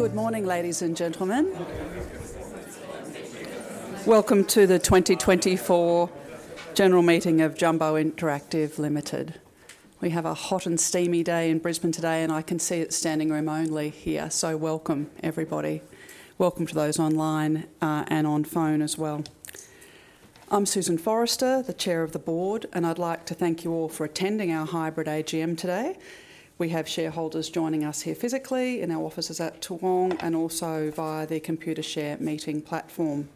Good morning, ladies and gentlemen. Welcome to the 2024 Annual General Meeting of Jumbo Interactive Limited. We have a hot and steamy day in Brisbane today, and I can see it's standing room only here. So welcome, everybody. Welcome to those online and on phone as well. I'm Susan Forrester, the Chair of the Board, and I'd like to thank you all for attending our hybrid AGM today. We have shareholders joining us here physically in our offices at Toowong and also via the Computershare meeting platform.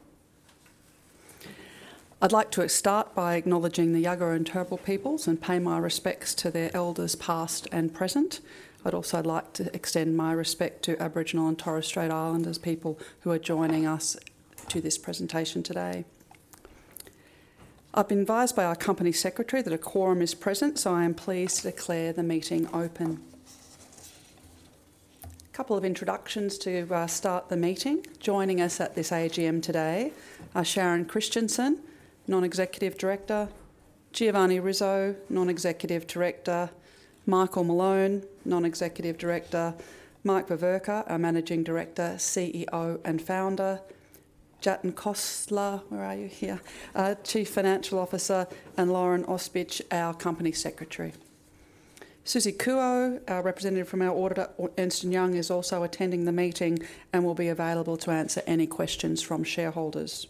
I'd like to start by acknowledging the Yuggera and Turrbal peoples and pay my respects to their elders, past and present. I'd also like to extend my respect to Aboriginal and Torres Strait Islander peoples who are joining us to this presentation today. I've been advised by our Company Secretary that a quorum is present, so I am pleased to declare the meeting open. A couple of introductions to start the meeting. Joining us at this AGM today are Sharon Christensen, Non-Executive Director, Giovanni Rizzo, Non-Executive Director, Michael Malone, Non-Executive Director, Mike Veverka, our Managing Director, CEO and Founder, Jatin Khosla, where are you? Yeah, Chief Financial Officer, and Lauren Osbich, our Company Secretary. Susie Kuo, our representative from our auditors, and Susan Young is also attending the meeting and will be available to answer any questions from shareholders.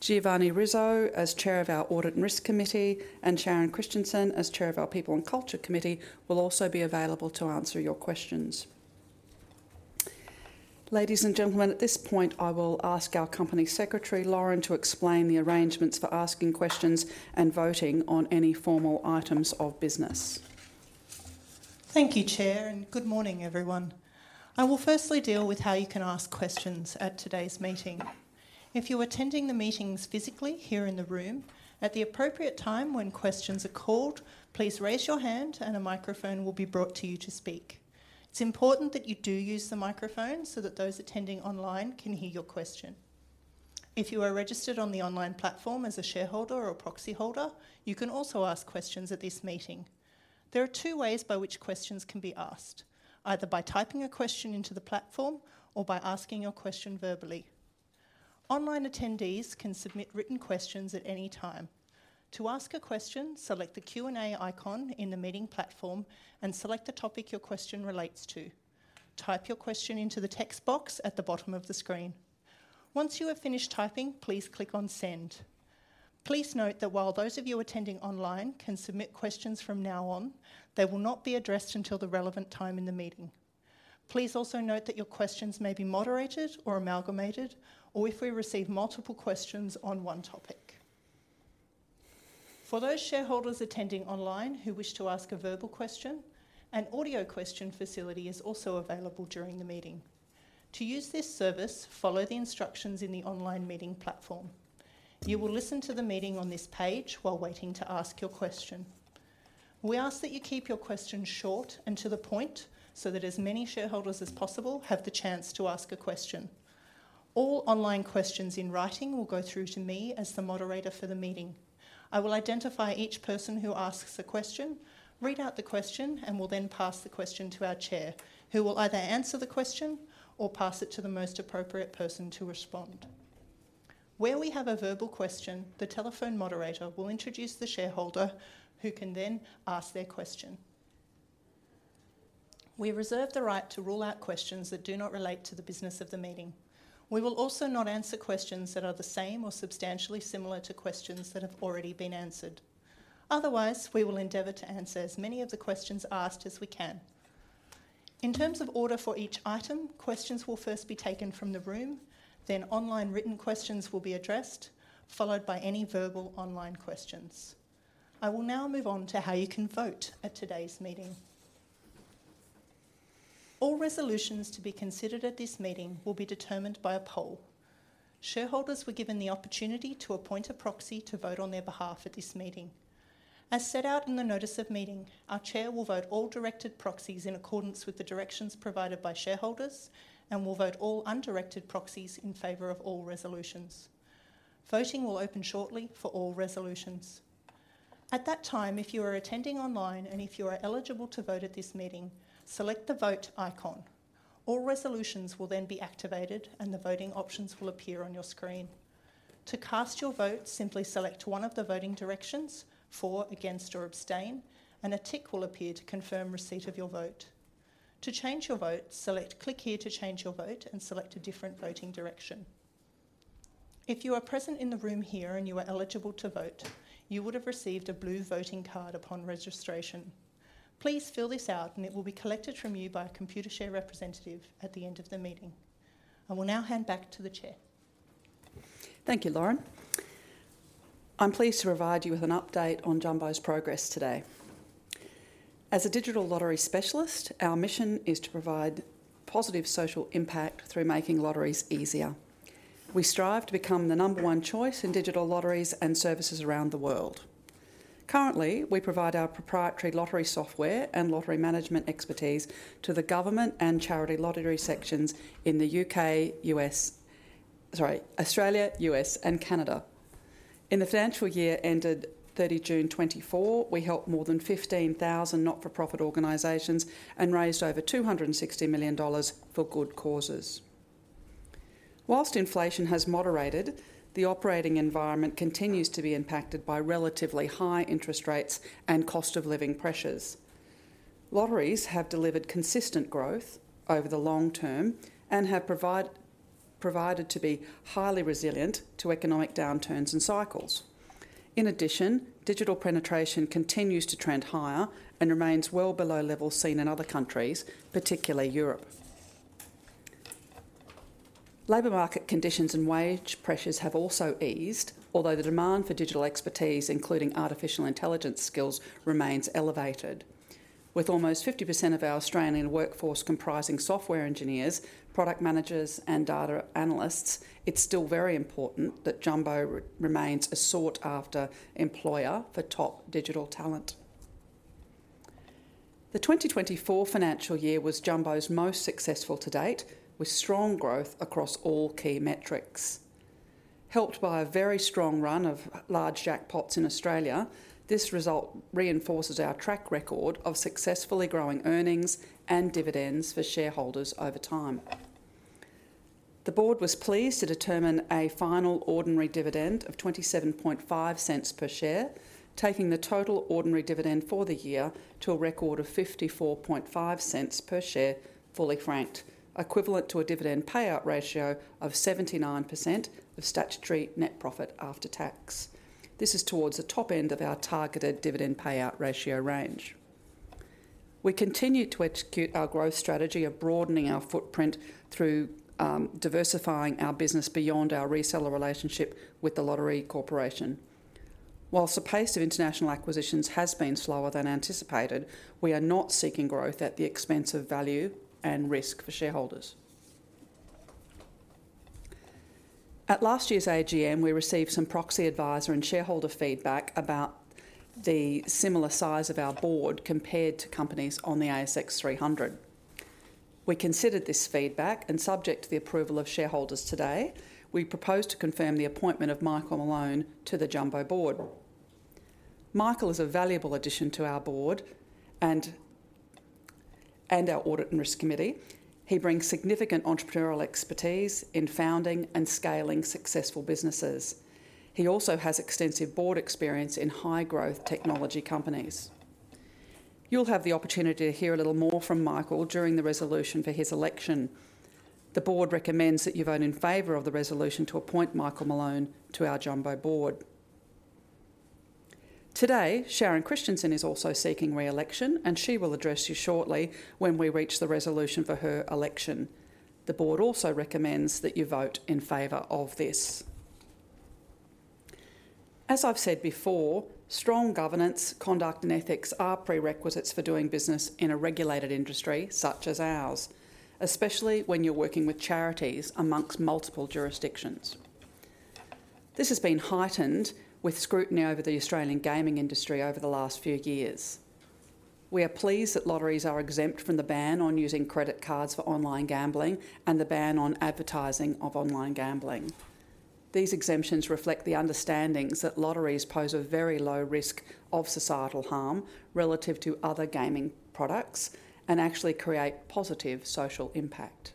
Giovanni Rizzo, as Chair of our Audit and Risk Committee, and Sharon Christensen, as Chair of our People and Culture Committee, will also be available to answer your questions. Ladies and gentlemen, at this point, I will ask our Company Secretary, Lauren, to explain the arrangements for asking questions and voting on any formal items of business. Thank you, Chair, and good morning, everyone. I will firstly deal with how you can ask questions at today's meeting. If you're attending the meetings physically here in the room, at the appropriate time when questions are called, please raise your hand and a microphone will be brought to you to speak. It's important that you do use the microphone so that those attending online can hear your question. If you are registered on the online platform as a shareholder or proxy holder, you can also ask questions at this meeting. There are two ways by which questions can be asked, either by typing a question into the platform or by asking your question verbally. Online attendees can submit written questions at any time. To ask a question, select the Q&A icon in the meeting platform and select the topic your question relates to. Type your question into the text box at the bottom of the screen. Once you have finished typing, please click on Send. Please note that while those of you attending online can submit questions from now on, they will not be addressed until the relevant time in the meeting. Please also note that your questions may be moderated or amalgamated, or if we receive multiple questions on one topic. For those shareholders attending online who wish to ask a verbal question, an audio question facility is also available during the meeting. To use this service, follow the instructions in the online meeting platform. You will listen to the meeting on this page while waiting to ask your question. We ask that you keep your questions short and to the point so that as many shareholders as possible have the chance to ask a question. All online questions in writing will go through to me as the moderator for the meeting. I will identify each person who asks a question, read out the question, and will then pass the question to our Chair, who will either answer the question or pass it to the most appropriate person to respond. Where we have a verbal question, the telephone moderator will introduce the shareholder who can then ask their question. We reserve the right to rule out questions that do not relate to the business of the meeting. We will also not answer questions that are the same or substantially similar to questions that have already been answered. Otherwise, we will endeavor to answer as many of the questions asked as we can. In terms of order for each item, questions will first be taken from the room, then online written questions will be addressed, followed by any verbal online questions. I will now move on to how you can vote at today's meeting. All resolutions to be considered at this meeting will be determined by a poll. Shareholders were given the opportunity to appoint a proxy to vote on their behalf at this meeting. As set out in the notice of meeting, our Chair will vote all directed proxies in accordance with the directions provided by shareholders and will vote all undirected proxies in favour of all resolutions. Voting will open shortly for all resolutions. At that time, if you are attending online and if you are eligible to vote at this meeting, select the vote icon. All resolutions will then be activated and the voting options will appear on your screen. To cast your vote, simply select one of the voting directions: for, against, or abstain, and a tick will appear to confirm receipt of your vote. To change your vote, select Click Here to Change Your Vote and select a different voting direction. If you are present in the room here and you are eligible to vote, you would have received a blue voting card upon registration. Please fill this out and it will be collected from you by a Computershare representative at the end of the meeting. I will now hand back to the Chair. Thank you, Lauren. I'm pleased to provide you with an update on Jumbo's progress today. As a digital lottery specialist, our mission is to provide positive social impact through making lotteries easier. We strive to become the number one choice in digital lotteries and services around the world. Currently, we provide our proprietary lottery software and lottery management expertise to the government and charity lottery sections in the U.K., U.S., sorry, Australia, U.S., and Canada. In the financial year ended 30 June 2024, we helped more than 15,000 not-for-profit organizations and raised over 260 million dollars for good causes. While inflation has moderated, the operating environment continues to be impacted by relatively high interest rates and cost of living pressures. Lotteries have delivered consistent growth over the long term and have proven to be highly resilient to economic downturns and cycles. In addition, digital penetration continues to trend higher and remains well below levels seen in other countries, particularly Europe. Labor market conditions and wage pressures have also eased, although the demand for digital expertise, including artificial intelligence skills, remains elevated. With almost 50% of our Australian workforce comprising software engineers, product managers, and data analysts, it's still very important that Jumbo remains a sought-after employer for top digital talent. The 2024 financial year was Jumbo's most successful to date, with strong growth across all key metrics. Helped by a very strong run of large jackpots in Australia, this result reinforces our track record of successfully growing earnings and dividends for shareholders over time. The Board was pleased to determine a final ordinary dividend of 0.275 per share, taking the total ordinary dividend for the year to a record of 0.545 per share, fully franked, equivalent to a dividend payout ratio of 79% of statutory net profit after tax. This is towards the top end of our targeted dividend payout ratio range. We continue to execute our growth strategy of broadening our footprint through diversifying our business beyond our reseller relationship with The Lottery Corporation. Whilst the pace of international acquisitions has been slower than anticipated, we are not seeking growth at the expense of value and risk for shareholders. At last year's AGM, we received some proxy advisor and shareholder feedback about the similar size of our board compared to companies on the ASX 300. We considered this feedback and, subject to the approval of shareholders today, we propose to confirm the appointment of Michael Malone to the Jumbo Board. Michael is a valuable addition to our board and our Audit and Risk Committee. He brings significant entrepreneurial expertise in founding and scaling successful businesses. He also has extensive board experience in high-growth technology companies. You'll have the opportunity to hear a little more from Michael during the resolution for his election. The Board recommends that you vote in favor of the resolution to appoint Michael Malone to our Jumbo Board. Today, Sharon Christensen is also seeking re-election, and she will address you shortly when we reach the resolution for her election. The Board also recommends that you vote in favor of this. As I've said before, strong governance, conduct, and ethics are prerequisites for doing business in a regulated industry such as ours, especially when you're working with charities among multiple jurisdictions. This has been heightened with scrutiny over the Australian gaming industry over the last few years. We are pleased that lotteries are exempt from the ban on using credit cards for online gambling and the ban on advertising of online gambling. These exemptions reflect the understandings that lotteries pose a very low risk of societal harm relative to other gaming products and actually create positive social impact.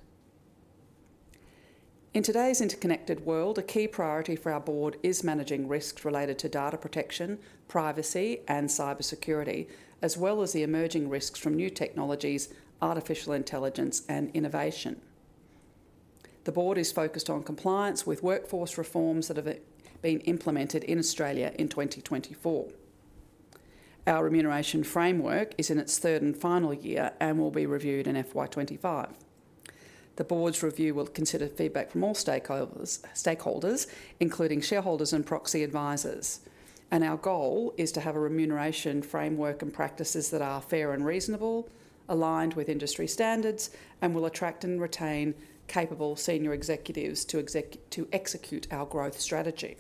In today's interconnected world, a key priority for our Board is managing risks related to data protection, privacy, and cybersecurity, as well as the emerging risks from new technologies, artificial intelligence, and innovation. The Board is focused on compliance with workforce reforms that have been implemented in Australia in 2024. Our remuneration framework is in its third and final year and will be reviewed in FY25. The Board's review will consider feedback from all stakeholders, including shareholders and proxy advisors, and our goal is to have a remuneration framework and practices that are fair and reasonable, aligned with industry standards, and will attract and retain capable senior executives to execute our growth strategy.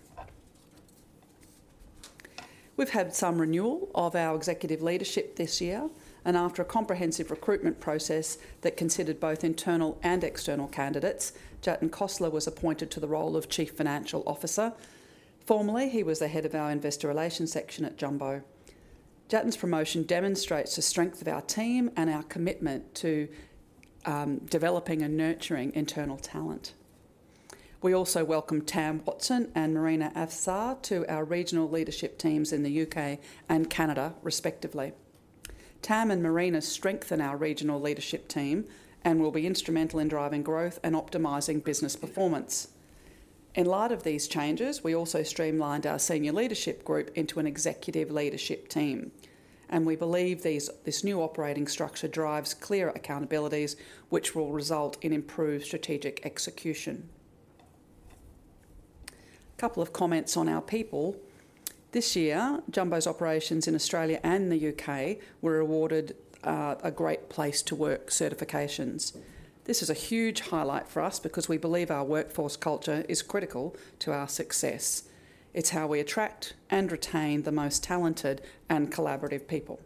We've had some renewal of our executive leadership this year, and after a comprehensive recruitment process that considered both internal and external candidates, Jatin Khosla was appointed to the role of Chief Financial Officer. Formerly, he was the head of our Investor Relations section at Jumbo. Jatin's promotion demonstrates the strength of our team and our commitment to developing and nurturing internal talent. We also welcome Tam Watson and Marina Afsar to our regional leadership teams in the U.K. and Canada, respectively. Tam and Marina strengthen our regional leadership team and will be instrumental in driving growth and optimizing business performance. In light of these changes, we also streamlined our senior leadership group into an executive leadership team, and we believe this new operating structure drives clearer accountabilities, which will result in improved strategic execution. A couple of comments on our people. This year, Jumbo's operations in Australia and the U.K. were awarded Great Place to Work certifications. This is a huge highlight for us because we believe our workforce culture is critical to our success. It's how we attract and retain the most talented and collaborative people.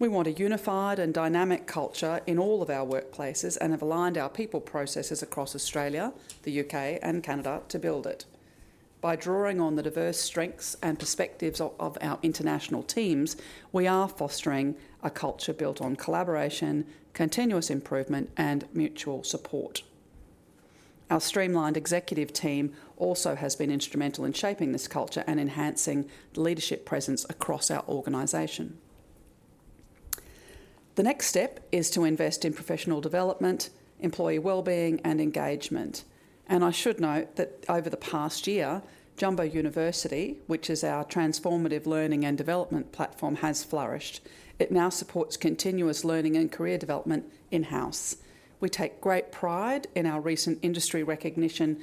We want a unified and dynamic culture in all of our workplaces and have aligned our people processes across Australia, the U.K., and Canada to build it. By drawing on the diverse strengths and perspectives of our international teams, we are fostering a culture built on collaboration, continuous improvement, and mutual support. Our streamlined executive team also has been instrumental in shaping this culture and enhancing the leadership presence across our organization. The next step is to invest in professional development, employee well-being, and engagement, and I should note that over the past year, Jumbo University, which is our transformative learning and development platform, has flourished. It now supports continuous learning and career development in-house. We take great pride in our recent industry recognition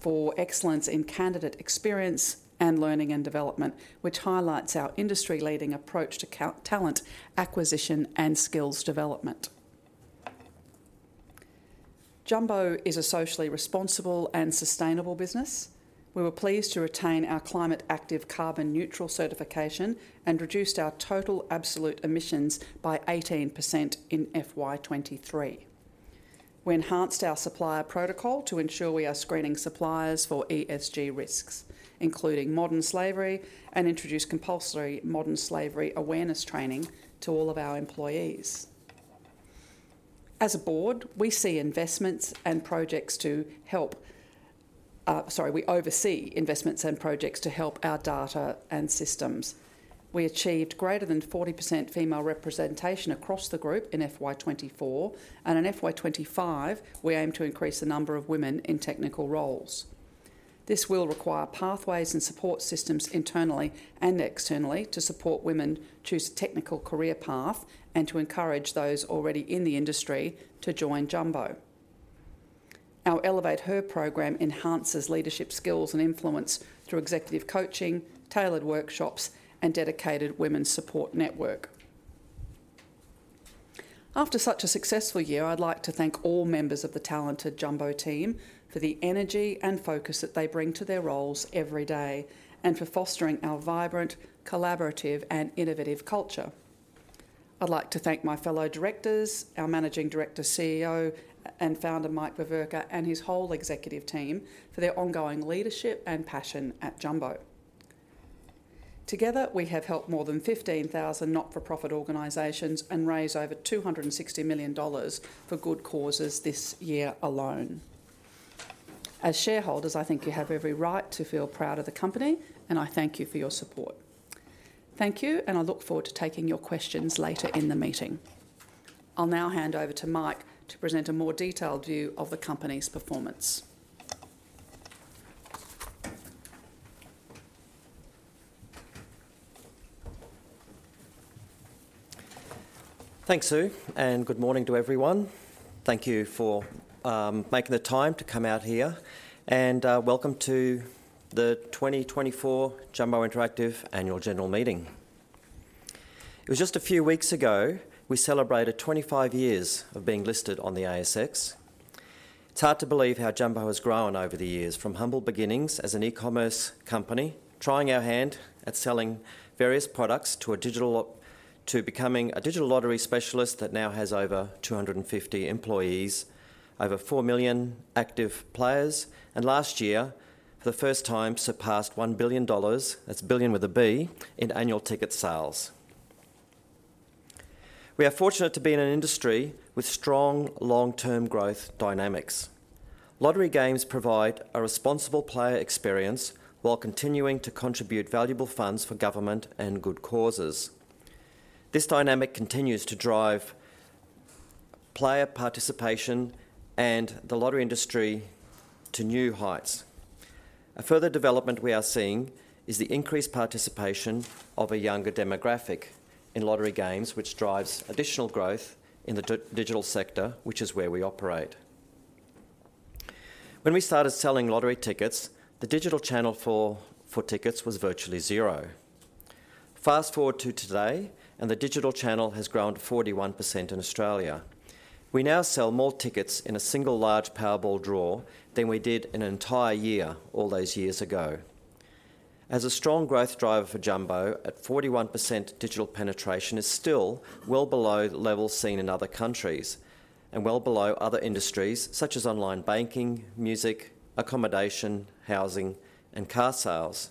for excellence in candidate experience and learning and development, which highlights our industry-leading approach to talent acquisition and skills development. Jumbo is a socially responsible and sustainable business. We were pleased to retain our Climate Active Carbon Neutral certification and reduced our total absolute emissions by 18% in FY23. We enhanced our supplier protocol to ensure we are screening suppliers for ESG risks, including modern slavery, and introduced compulsory modern slavery awareness training to all of our employees. As a Board, we see investments and projects to help, sorry, we oversee investments and projects to help our data and systems. We achieved greater than 40% female representation across the group in FY24, and in FY25, we aim to increase the number of women in technical roles. This will require pathways and support systems internally and externally to support women choose a technical career path and to encourage those already in the industry to join Jumbo. Our Elevate Her program enhances leadership skills and influence through executive coaching, tailored workshops, and dedicated women's support network. After such a successful year, I'd like to thank all members of the talented Jumbo team for the energy and focus that they bring to their roles every day and for fostering our vibrant, collaborative, and innovative culture. I'd like to thank my fellow directors, our Managing Director, CEO, and founder Mike Veverka, and his whole executive team for their ongoing leadership and passion at Jumbo. Together, we have helped more than 15,000 not-for-profit organizations and raised over 260 million dollars for good causes this year alone. As shareholders, I think you have every right to feel proud of the company, and I thank you for your support. Thank you, and I look forward to taking your questions later in the meeting. I'll now hand over to Mike to present a more detailed view of the company's performance. Thanks, Sue, and good morning to everyone. Thank you for making the time to come out here, and welcome to the 2024 Jumbo Interactive Annual General Meeting. It was just a few weeks ago we celebrated 25 years of being listed on the ASX. It's hard to believe how Jumbo has grown over the years, from humble beginnings as an e-commerce company, trying our hand at selling various products to a digital lottery specialist that now has over 250 employees, over 4 million active players, and last year, for the first time, surpassed 1 billion dollars, that's a billion with a B, in annual ticket sales. We are fortunate to be in an industry with strong long-term growth dynamics. Lottery games provide a responsible player experience while continuing to contribute valuable funds for government and good causes. This dynamic continues to drive player participation and the lottery industry to new heights. A further development we are seeing is the increased participation of a younger demographic in lottery games, which drives additional growth in the digital sector, which is where we operate. When we started selling lottery tickets, the digital channel for tickets was virtually zero. Fast forward to today, and the digital channel has grown to 41% in Australia. We now sell more tickets in a single large Powerball draw than we did in an entire year all those years ago. As a strong growth driver for Jumbo, at 41% digital penetration is still well below levels seen in other countries and well below other industries such as online banking, music, accommodation, housing, and car sales.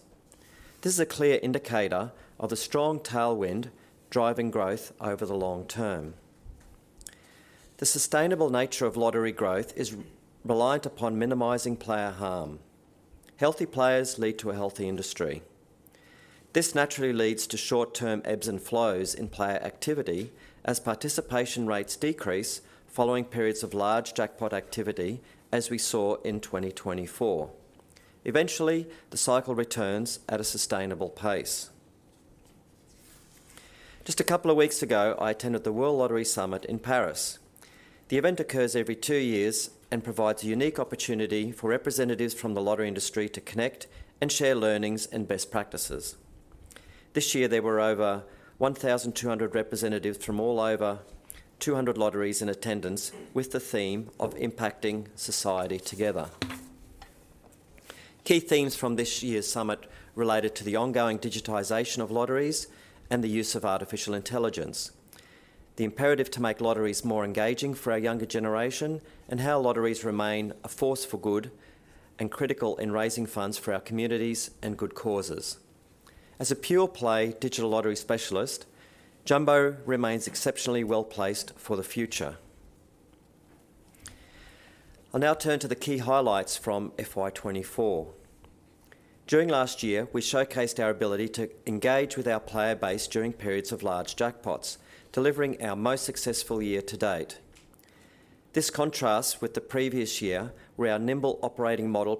This is a clear indicator of the strong tailwind driving growth over the long term. The sustainable nature of lottery growth is reliant upon minimizing player harm. Healthy players lead to a healthy industry. This naturally leads to short-term ebbs and flows in player activity as participation rates decrease following periods of large jackpot activity, as we saw in 2024. Eventually, the cycle returns at a sustainable pace. Just a couple of weeks ago, I attended the World Lottery Summit in Paris. The event occurs every two years and provides a unique opportunity for representatives from the lottery industry to connect and share learnings and best practices. This year, there were over 1,200 representatives from all over, 200 lotteries in attendance with the theme of impacting society together. Key themes from this year's summit related to the ongoing digitization of lotteries and the use of artificial intelligence, the imperative to make lotteries more engaging for our younger generation, and how lotteries remain a force for good and critical in raising funds for our communities and good causes. As a pure-play digital lottery specialist, Jumbo remains exceptionally well placed for the future. I'll now turn to the key highlights from FY24. During last year, we showcased our ability to engage with our player base during periods of large jackpots, delivering our most successful year to date. This contrasts with the previous year, where our nimble operating model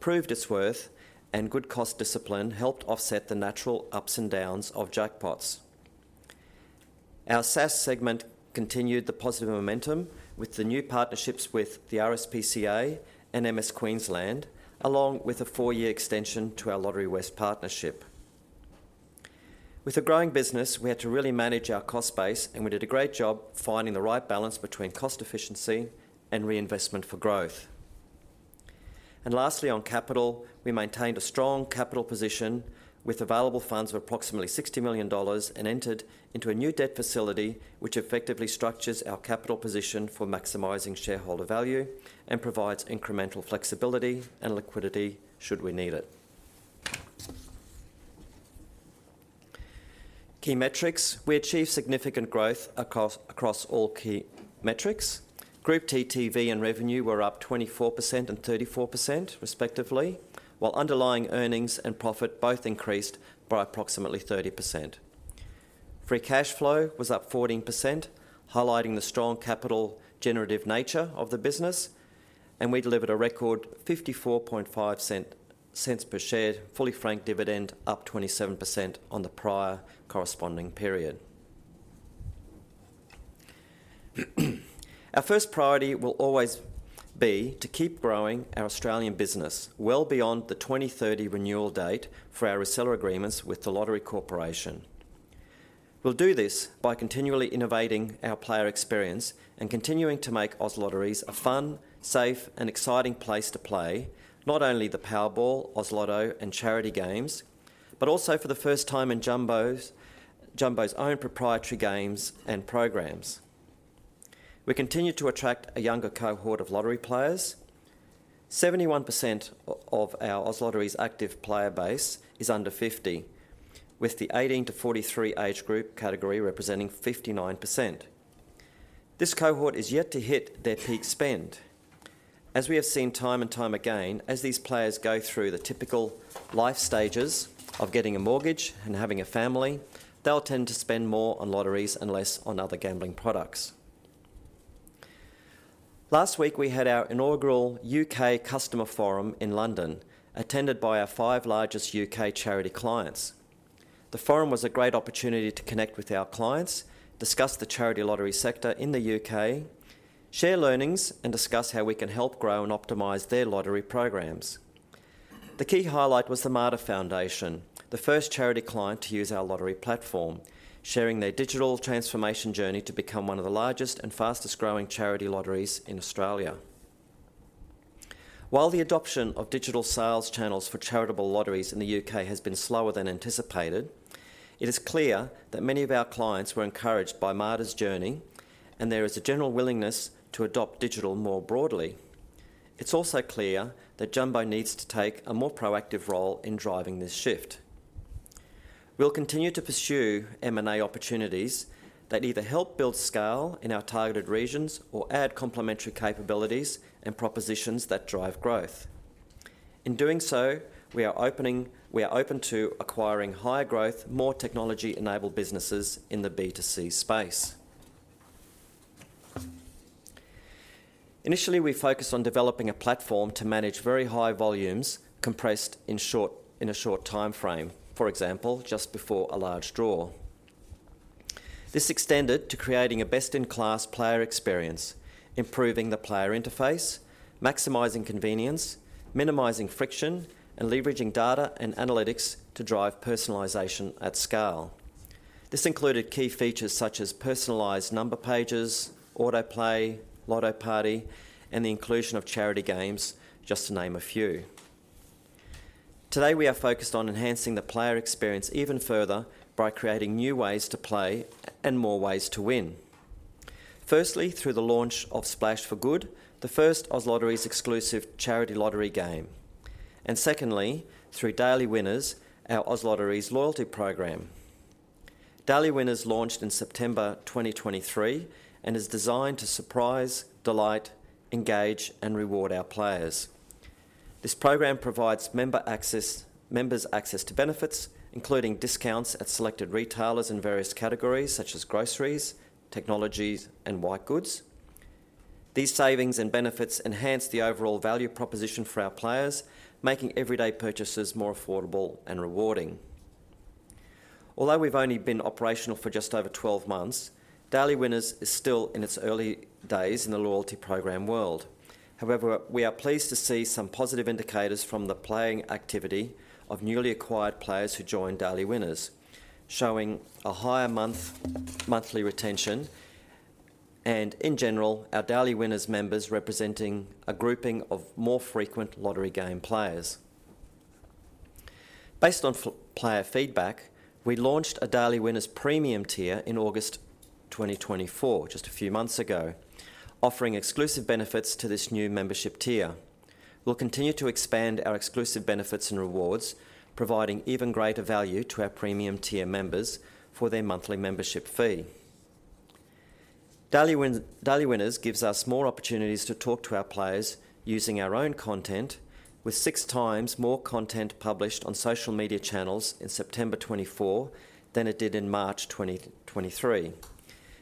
proved its worth, and good cost discipline helped offset the natural ups and downs of jackpots. Our SaaS segment continued the positive momentum with the new partnerships with the RSPCA and MS Queensland, along with a four-year extension to our Lotterywest partnership. With a growing business, we had to really manage our cost base, and we did a great job finding the right balance between cost efficiency and reinvestment for growth. Lastly, on capital, we maintained a strong capital position with available funds of approximately 60 million dollars and entered into a new debt facility, which effectively structures our capital position for maximizing shareholder value and provides incremental flexibility and liquidity should we need it. Key metrics: we achieved significant growth across all key metrics. Group TTV and revenue were up 24% and 34%, respectively, while underlying earnings and profit both increased by approximately 30%. Free cash flow was up 14%, highlighting the strong capital generative nature of the business, and we delivered a record 0.545 per share fully franked dividend, up 27% on the prior corresponding period. Our first priority will always be to keep growing our Australian business well beyond the 2030 renewal date for our reseller agreements with The Lottery Corporation. We'll do this by continually innovating our player experience and continuing to make OzLotteries a fun, safe, and exciting place to play, not only the Powerball, Oz Lotto, and charity games, but also for the first time in Jumbo's own proprietary games and programs. We continue to attract a younger cohort of lottery players. 71% of our OzLotteries active player base is under 50, with the 18-43 age group category representing 59%. This cohort is yet to hit their peak spend. As we have seen time and time again, as these players go through the typical life stages of getting a mortgage and having a family, they'll tend to spend more on lotteries and less on other gambling products. Last week, we had our inaugural U.K. Customer Forum in London, attended by our five largest U.K. charity clients. The forum was a great opportunity to connect with our clients, discuss the charity lottery sector in the U.K., share learnings, and discuss how we can help grow and optimize their lottery programs. The key highlight was the Mater Foundation, the first charity client to use our lottery platform, sharing their digital transformation journey to become one of the largest and fastest-growing charity lotteries in Australia. While the adoption of digital sales channels for charitable lotteries in the U.K. has been slower than anticipated, it is clear that many of our clients were encouraged by Mater's journey, and there is a general willingness to adopt digital more broadly. It's also clear that Jumbo needs to take a more proactive role in driving this shift. We'll continue to pursue M&A opportunities that either help build scale in our targeted regions or add complementary capabilities and propositions that drive growth. In doing so, we are open to acquiring higher growth, more technology-enabled businesses in the B2C space. Initially, we focused on developing a platform to manage very high volumes compressed in a short timeframe, for example, just before a large draw. This extended to creating a best-in-class player experience, improving the player interface, maximizing convenience, minimizing friction, and leveraging data and analytics to drive personalization at scale. This included key features such as personalized number pages, autoplay, Lotto Party, and the inclusion of charity games, just to name a few. Today, we are focused on enhancing the player experience even further by creating new ways to play and more ways to win. Firstly, through the launch of Splash for Good, the first OzLotteries exclusive charity lottery game, and secondly, through Daily Winners, our OzLotteries loyalty program. Daily Winners launched in September 2023 and is designed to surprise, delight, engage, and reward our players. This program provides members access to benefits, including discounts at selected retailers in various categories such as groceries, technologies, and white goods. These savings and benefits enhance the overall value proposition for our players, making everyday purchases more affordable and rewarding. Although we've only been operational for just over 12 months, Daily Winners is still in its early days in the loyalty program world. However, we are pleased to see some positive indicators from the playing activity of newly acquired players who join Daily Winners, showing a higher monthly retention and, in general, our Daily Winners members representing a grouping of more frequent lottery game players. Based on player feedback, we launched a Daily Winners Premium Tier in August 2024, just a few months ago, offering exclusive benefits to this new membership tier. We'll continue to expand our exclusive benefits and rewards, providing even greater value to our Premium Tier members for their monthly membership fee. Daily Winners gives us more opportunities to talk to our players using our own content, with six times more content published on social media channels in September 2024 than it did in March 2023.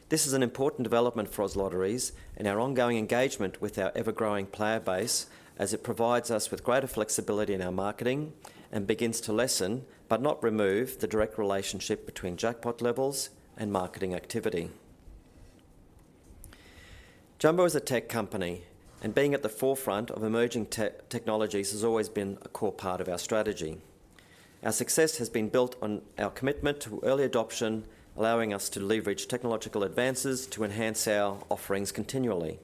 This is an important development for OzLotteries and our ongoing engagement with our ever-growing player base, as it provides us with greater flexibility in our marketing and begins to lessen, but not remove, the direct relationship between jackpot levels and marketing activity. Jumbo is a tech company, and being at the forefront of emerging technologies has always been a core part of our strategy. Our success has been built on our commitment to early adoption, allowing us to leverage technological advances to enhance our offerings continually.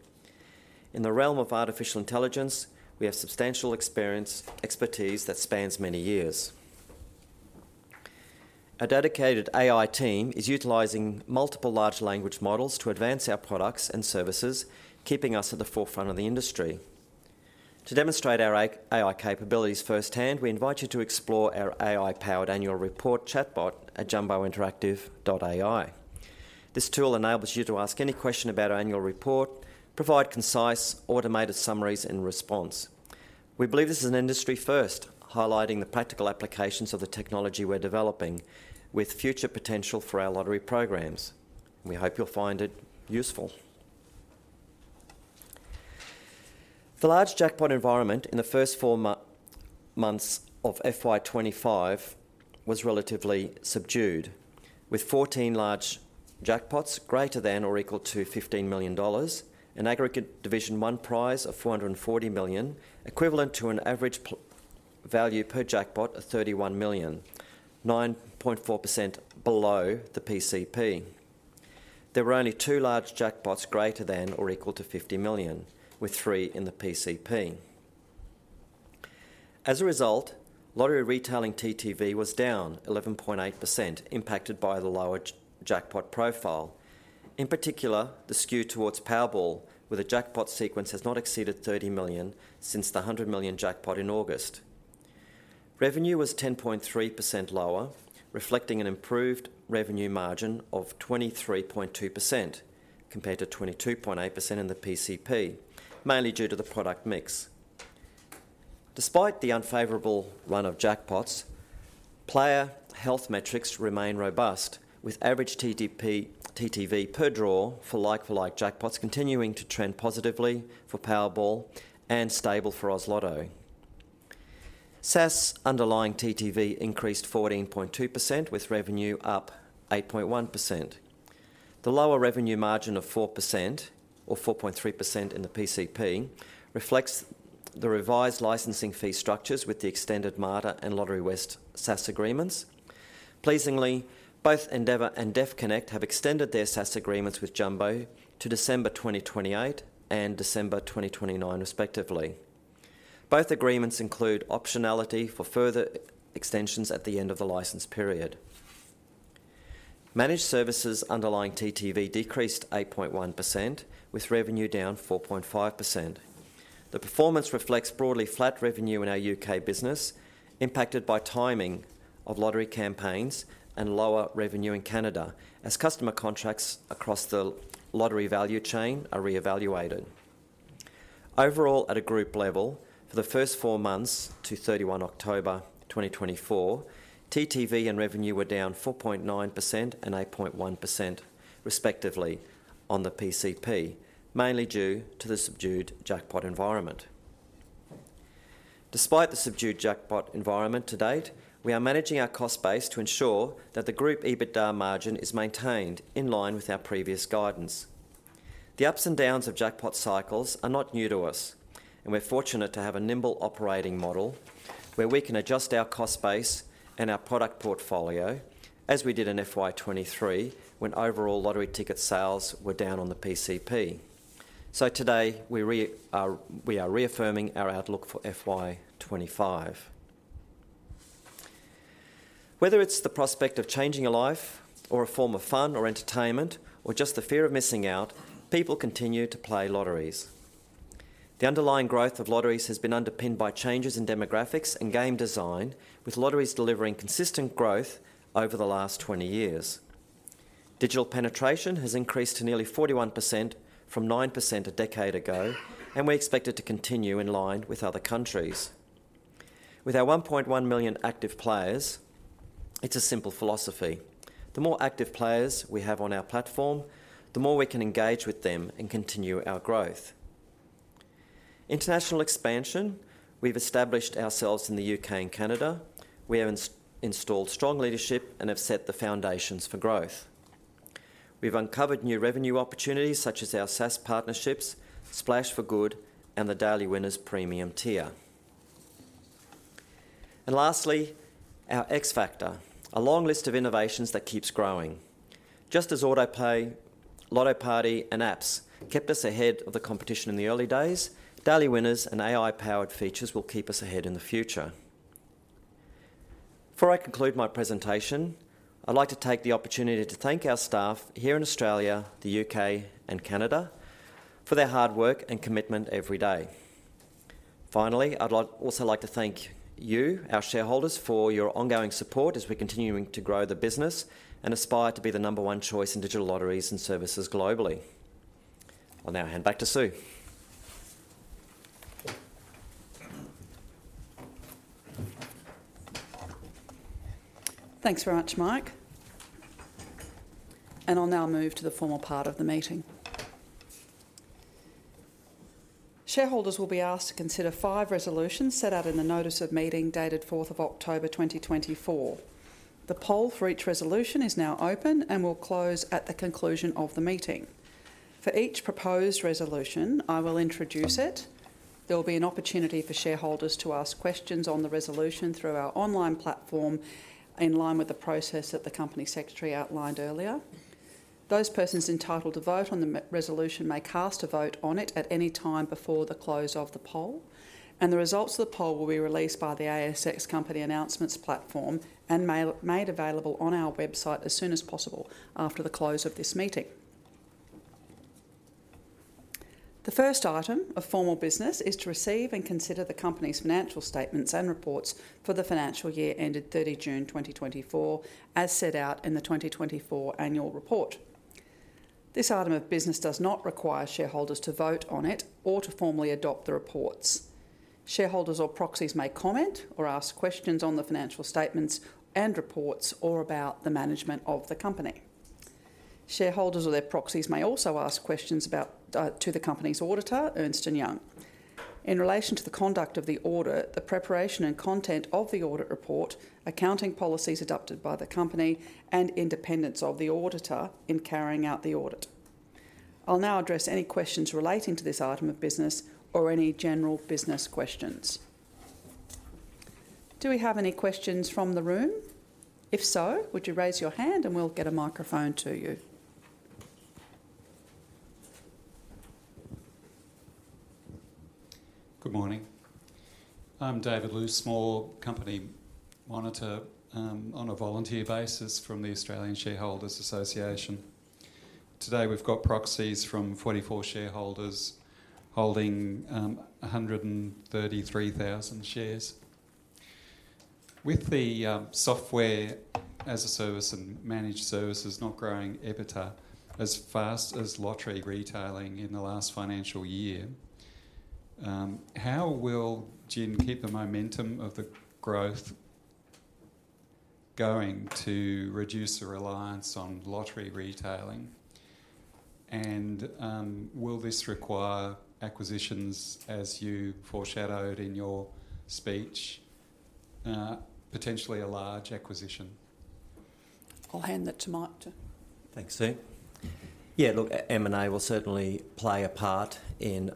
In the realm of artificial intelligence, we have substantial expertise that spans many years. A dedicated AI team is utilizing multiple large language models to advance our products and services, keeping us at the forefront of the industry. To demonstrate our AI capabilities firsthand, we invite you to explore our AI-powered annual report chatbot at jumbointeractive.ai. This tool enables you to ask any question about our annual report, provide concise, automated summaries in response. We believe this is an industry-first, highlighting the practical applications of the technology we're developing, with future potential for our lottery programs. We hope you'll find it useful. The large jackpot environment in the first four months of FY25 was relatively subdued, with 14 large jackpots greater than or equal to 15 million dollars, an aggregate Division 1 prize of 440 million, equivalent to an average value per jackpot of 31 million, 9.4% below the PCP. There were only two large jackpots greater than or equal to 50 million, with three in the PCP. As a result, lottery retailing TTV was down 11.8%, impacted by the lower jackpot profile. In particular, the skew towards Powerball with a jackpot sequence has not exceeded 30 million since the 100 million jackpot in August. Revenue was 10.3% lower, reflecting an improved revenue margin of 23.2% compared to 22.8% in the PCP, mainly due to the product mix. Despite the unfavorable run of jackpots, player health metrics remain robust, with average TTV per draw for like-for-like jackpots continuing to trend positively for Powerball and stable for Oz Lotto. SaaS underlying TTV increased 14.2%, with revenue up 8.1%. The lower revenue margin of 4% or 4.3% in the PCP reflects the revised licensing fee structures with the extended Mater and Lotterywest SaaS agreements. Pleasingly, both Endeavour and Deaf Connect have extended their SaaS agreements with Jumbo to December 2028 and December 2029, respectively. Both agreements include optionality for further extensions at the end of the license period. Managed services underlying TTV decreased 8.1%, with revenue down 4.5%. The performance reflects broadly flat revenue in our U.K. business, impacted by timing of lottery campaigns and lower revenue in Canada, as customer contracts across the lottery value chain are reevaluated. Overall, at a group level, for the first four months to 31 October 2024, TTV and revenue were down 4.9% and 8.1%, respectively, on the PCP, mainly due to the subdued jackpot environment. Despite the subdued jackpot environment to date, we are managing our cost base to ensure that the group EBITDA margin is maintained in line with our previous guidance. The ups and downs of jackpot cycles are not new to us, and we're fortunate to have a nimble operating model where we can adjust our cost base and our product portfolio, as we did in FY23 when overall lottery ticket sales were down on the PCP. So today, we are reaffirming our outlook for FY25. Whether it's the prospect of changing your life or a form of fun or entertainment or just the fear of missing out, people continue to play lotteries. The underlying growth of lotteries has been underpinned by changes in demographics and game design, with lotteries delivering consistent growth over the last 20 years. Digital penetration has increased to nearly 41% from 9% a decade ago, and we expect it to continue in line with other countries. With our 1.1 million active players, it's a simple philosophy. The more active players we have on our platform, the more we can engage with them and continue our growth. International expansion: we've established ourselves in the U.K. and Canada. We have installed strong leadership and have set the foundations for growth. We've uncovered new revenue opportunities such as our SaaS partnerships, Splash for Good, and the Daily Winners Premium Tier, and lastly, our X-factor, a long list of innovations that keeps growing. Just as autopay, Lotto Party, and apps kept us ahead of the competition in the early days, Daily Winners and AI-powered features will keep us ahead in the future. Before I conclude my presentation, I'd like to take the opportunity to thank our staff here in Australia, the U.K., and Canada for their hard work and commitment every day. Finally, I'd also like to thank you, our shareholders, for your ongoing support as we're continuing to grow the business and aspire to be the number one choice in digital lotteries and services globally. I'll now hand back to Sue. Thanks very much, Mike. And I'll now move to the formal part of the meeting. Shareholders will be asked to consider five resolutions set out in the notice of meeting dated 4 October 2024. The poll for each resolution is now open and will close at the conclusion of the meeting. For each proposed resolution, I will introduce it. There will be an opportunity for shareholders to ask questions on the resolution through our online platform in line with the process that the company secretary outlined earlier. Those persons entitled to vote on the resolution may cast a vote on it at any time before the close of the poll, and the results of the poll will be released by the ASX Company Announcements platform and made available on our website as soon as possible after the close of this meeting. The first item of formal business is to receive and consider the company's financial statements and reports for the financial year ended 30 June 2024, as set out in the 2024 annual report. This item of business does not require shareholders to vote on it or to formally adopt the reports. Shareholders or proxies may comment or ask questions on the financial statements and reports or about the management of the company. Shareholders or their proxies may also ask questions to the company's auditor, Ernst & Young, in relation to the conduct of the audit, the preparation and content of the audit report, accounting policies adopted by the company, and independence of the auditor in carrying out the audit. I'll now address any questions relating to this item of business or any general business questions. Do we have any questions from the room? If so, would you raise your hand and we'll get a microphone to you? Good morning. I'm David Luce, small company monitor on a volunteer basis from the Australian Shareholders' Association. Today, we've got proxies from 44 shareholders holding 133,000 shares. With the software as a service and managed services not growing EBITDA as fast as lottery retailing in the last financial year, how will Jumbo keep the momentum of the growth going to reduce the reliance on lottery retailing? And will this require acquisitions, as you foreshadowed in your speech, potentially a large acquisition? I'll hand that to Mike. Thanks, Sue. Yeah, look, M&A will certainly play a part in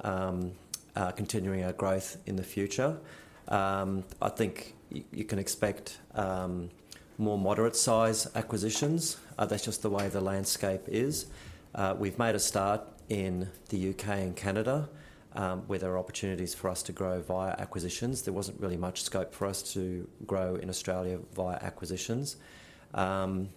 continuing our growth in the future. I think you can expect more moderate-sized acquisitions. That's just the way the landscape is. We've made a start in the U.K. and Canada where there are opportunities for us to grow via acquisitions. There wasn't really much scope for us to grow in Australia via acquisitions. We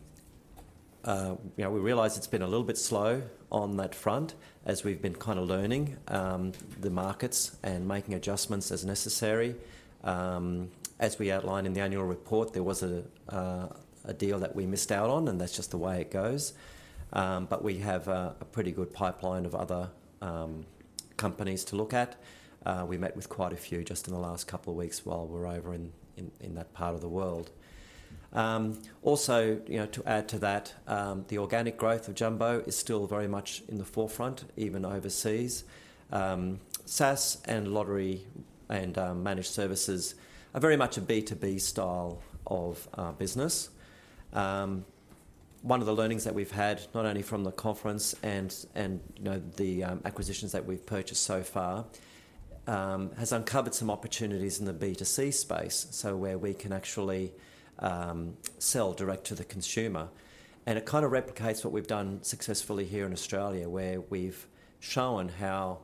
realise it's been a little bit slow on that front as we've been kind of learning the markets and making adjustments as necessary. As we outlined in the annual report, there was a deal that we missed out on, and that's just the way it goes. But we have a pretty good pipeline of other companies to look at. We met with quite a few just in the last couple of weeks while we're over in that part of the world. Also, to add to that, the organic growth of Jumbo is still very much in the forefront, even overseas. SaaS and lottery and managed services are very much a B2B style of business. One of the learnings that we've had, not only from the conference and the acquisitions that we've purchased so far, has uncovered some opportunities in the B2C space, so where we can actually sell direct to the consumer, and it kind of replicates what we've done successfully here in Australia, where we've shown how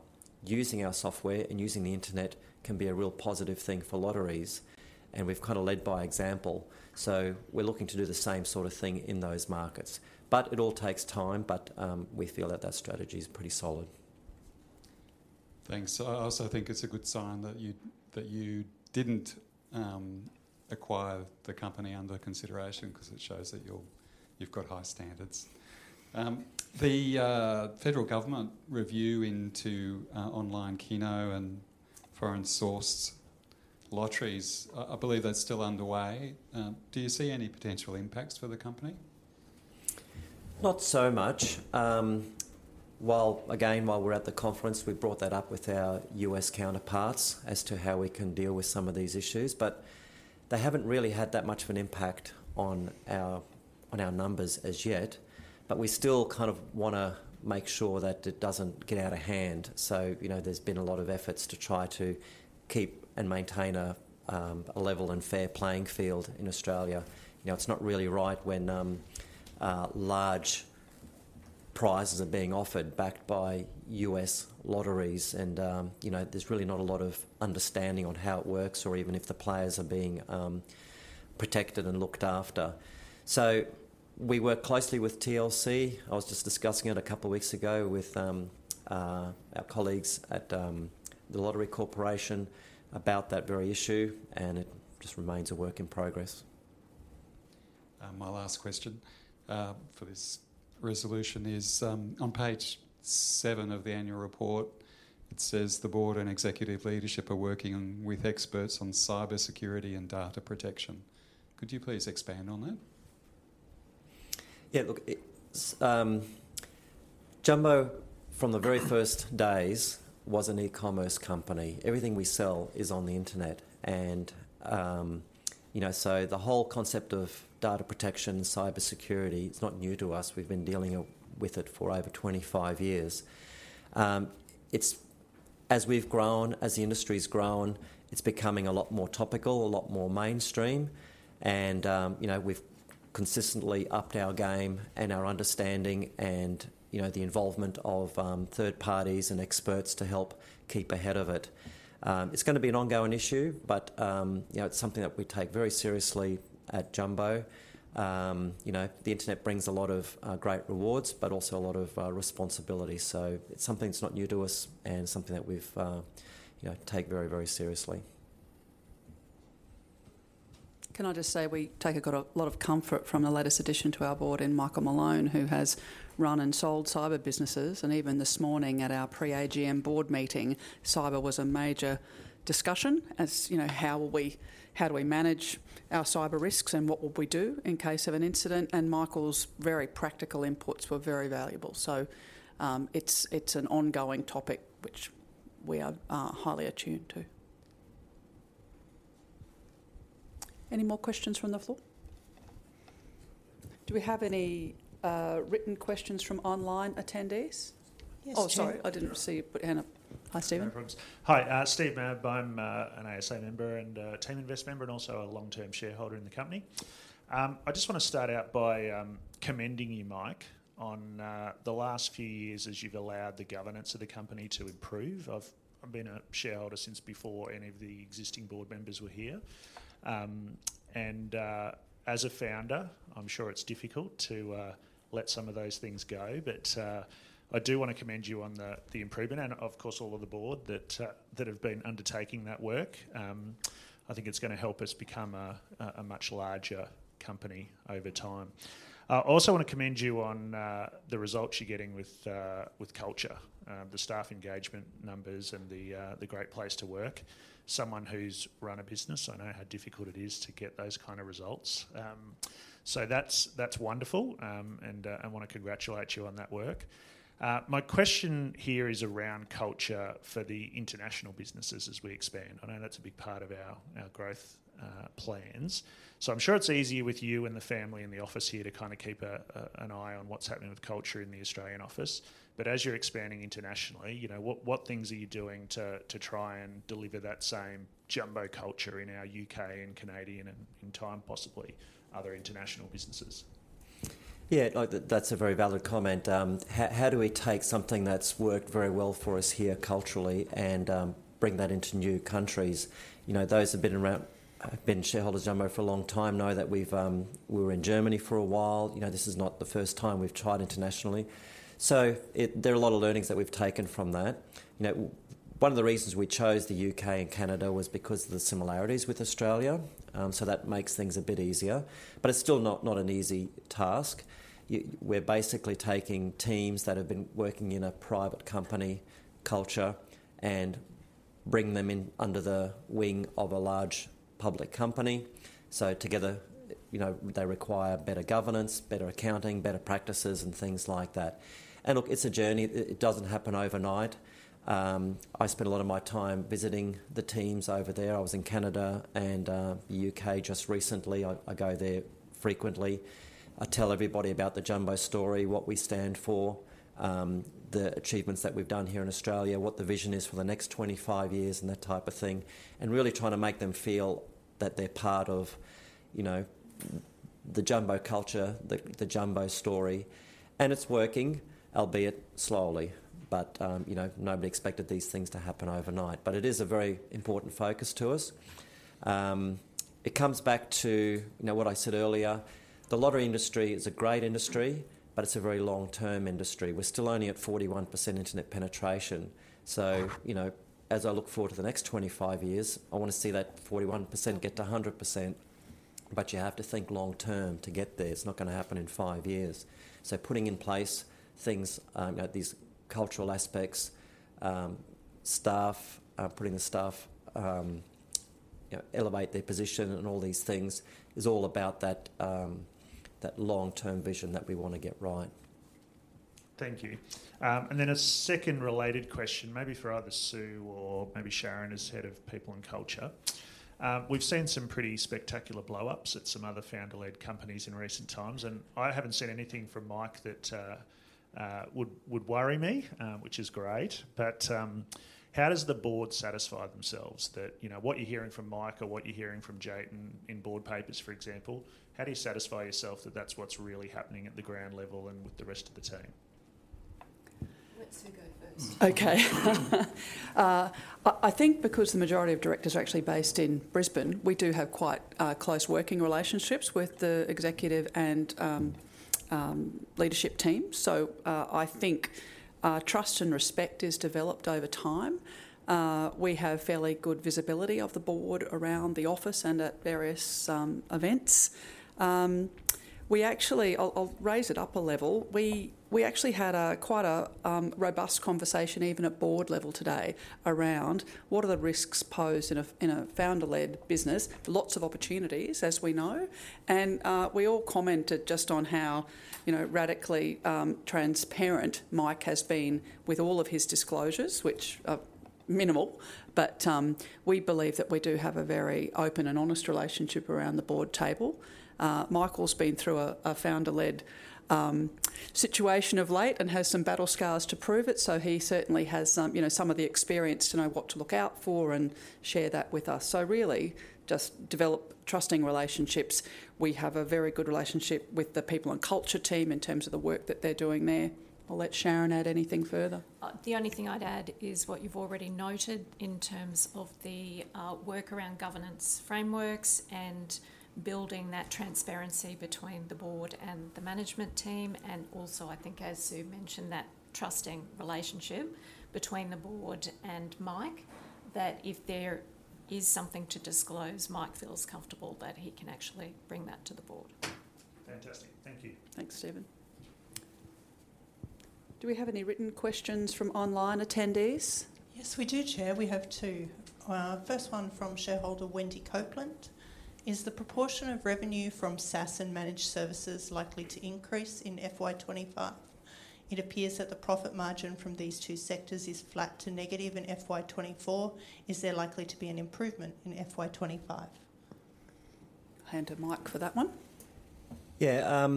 using our software and using the internet can be a real positive thing for lotteries, and we've kind of led by example, so we're looking to do the same sort of thing in those markets, but it all takes time, but we feel that that strategy is pretty solid. Thanks. I also think it's a good sign that you didn't acquire the company under consideration because it shows that you've got high standards. The federal government review into online keno and foreign-sourced lotteries, I believe that's still underway. Do you see any potential impacts for the company? Not so much. Again, while we're at the conference, we brought that up with our U.S. counterparts as to how we can deal with some of these issues, but they haven't really had that much of an impact on our numbers as yet, but we still kind of want to make sure that it doesn't get out of hand, so there's been a lot of efforts to try to keep and maintain a level and fair playing field in Australia. It's not really right when large prizes are being offered backed by U.S. lotteries, and there's really not a lot of understanding on how it works or even if the players are being protected and looked after, so we work closely with TLC. I was just discussing it a couple of weeks ago with our colleagues at The Lottery Corporation about that very issue, and it just remains a work in progress. My last question for this resolution is on page seven of the annual report, it says the board and executive leadership are working with experts on cybersecurity and data protection. Could you please expand on that? Yeah, look, Jumbo, from the very first days, was an e-commerce company. Everything we sell is on the internet. And so the whole concept of data protection and cybersecurity, it's not new to us. We've been dealing with it for over 25 years. As we've grown, as the industry's grown, it's becoming a lot more topical, a lot more mainstream, and we've consistently upped our game and our understanding and the involvement of third parties and experts to help keep ahead of it. It's going to be an ongoing issue, but it's something that we take very seriously at Jumbo. The internet brings a lot of great rewards, but also a lot of responsibility. So it's something that's not new to us and something that we take very, very seriously. Can I just say we take a lot of comfort from the latest addition to our board in Michael Malone, who has run and sold cyber businesses. And even this morning at our pre-AGM board meeting, cyber was a major discussion as how do we manage our cyber risks and what would we do in case of an incident. And Michael's very practical inputs were very valuable. So it's an ongoing topic which we are highly attuned to. Any more questions from the floor? Do we have any written questions from online attendees? Oh, sorry, I didn't see you. Hi, Steven. Hi, Steve Mabb. I'm an ASA member and Team Invest member and also a long-term shareholder in the company. I just want to start out by commending you, Mike, on the last few years as you've allowed the governance of the company to improve. I've been a shareholder since before any of the existing board members were here. And as a founder, I'm sure it's difficult to let some of those things go, but I do want to commend you on the improvement and, of course, all of the board that have been undertaking that work. I think it's going to help us become a much larger company over time. I also want to commend you on the results you're getting with culture, the staff engagement numbers, and the Great Place to Work. Someone who's run a business, I know how difficult it is to get those kind of results. So that's wonderful, and I want to congratulate you on that work. My question here is around culture for the international businesses as we expand. I know that's a big part of our growth plans. So I'm sure it's easier with you and the family in the office here to kind of keep an eye on what's happening with culture in the Australian office. But as you're expanding internationally, what things are you doing to try and deliver that same Jumbo culture in our U.K. and Canadian and, in time, possibly other international businesses? Yeah, that's a very valid comment. How do we take something that's worked very well for us here culturally and bring that into new countries? Those who have been shareholders of Jumbo for a long time know that we were in Germany for a while. This is not the first time we've tried internationally. So there are a lot of learnings that we've taken from that. One of the reasons we chose the U.K. and Canada was because of the similarities with Australia. So that makes things a bit easier, but it's still not an easy task. We're basically taking teams that have been working in a private company culture and bringing them under the wing of a large public company. So together, they require better governance, better accounting, better practices, and things like that. And look, it's a journey. It doesn't happen overnight. I spent a lot of my time visiting the teams over there. I was in Canada and the U.K. just recently. I go there frequently. I tell everybody about the Jumbo story, what we stand for, the achievements that we've done here in Australia, what the vision is for the next 25 years and that type of thing, and really trying to make them feel that they're part of the Jumbo culture, the Jumbo story, and it's working, albeit slowly, but nobody expected these things to happen overnight, but it is a very important focus to us. It comes back to what I said earlier. The lottery industry is a great industry, but it's a very long-term industry. We're still only at 41% internet penetration. So as I look forward to the next 25 years, I want to see that 41% get to 100%, but you have to think long-term to get there. It's not going to happen in five years. So putting in place things, these cultural aspects, staff, putting the staff, elevate their position and all these things is all about that long-term vision that we want to get right. Thank you. And then a second related question, maybe for either Sue or maybe Sharon, as Head of People and Culture. We've seen some pretty spectacular blow-ups at some other founder-led companies in recent times, and I haven't seen anything from Mike that would worry me, which is great. But how does the board satisfy themselves? What you're hearing from Mike or what you're hearing from Jatin in board papers, for example, how do you satisfy yourself that that's what's really happening at the ground level and with the rest of the team? Let Sue go first. Okay. I think because the majority of directors are actually based in Brisbane, we do have quite close working relationships with the executive and leadership teams. So I think trust and respect is developed over time. We have fairly good visibility of the board around the office and at various events. I'll raise it up a level. We actually had quite a robust conversation, even at board level today, around what are the risks posed in a founder-led business. Lots of opportunities, as we know. And we all commented just on how radically transparent Mike has been with all of his disclosures, which are minimal, but we believe that we do have a very open and honest relationship around the board table. Michael's been through a founder-led situation of late and has some battle scars to prove it, so he certainly has some of the experience to know what to look out for and share that with us. So really just develop trusting relationships. We have a very good relationship with the people and culture team in terms of the work that they're doing there. I'll let Sharon add anything further. The only thing I'd add is what you've already noted in terms of the work around governance frameworks and building that transparency between the board and the management team, and also, I think, as Sue mentioned, that trusting relationship between the board and Mike, that if there is something to disclose, Mike feels comfortable that he can actually bring that to the board. Fantastic. Thank you. Thanks, Stephen. Do we have any written questions from online attendees? Yes, we do, Chair. We have two. First one from shareholder Wendy Copeland. Is the proportion of revenue from SaaS and managed services likely to increase in FY25? It appears that the profit margin from these two sectors is flat to negative in FY24. Is there likely to be an improvement in FY25? Hand to Mike for that one. Yeah.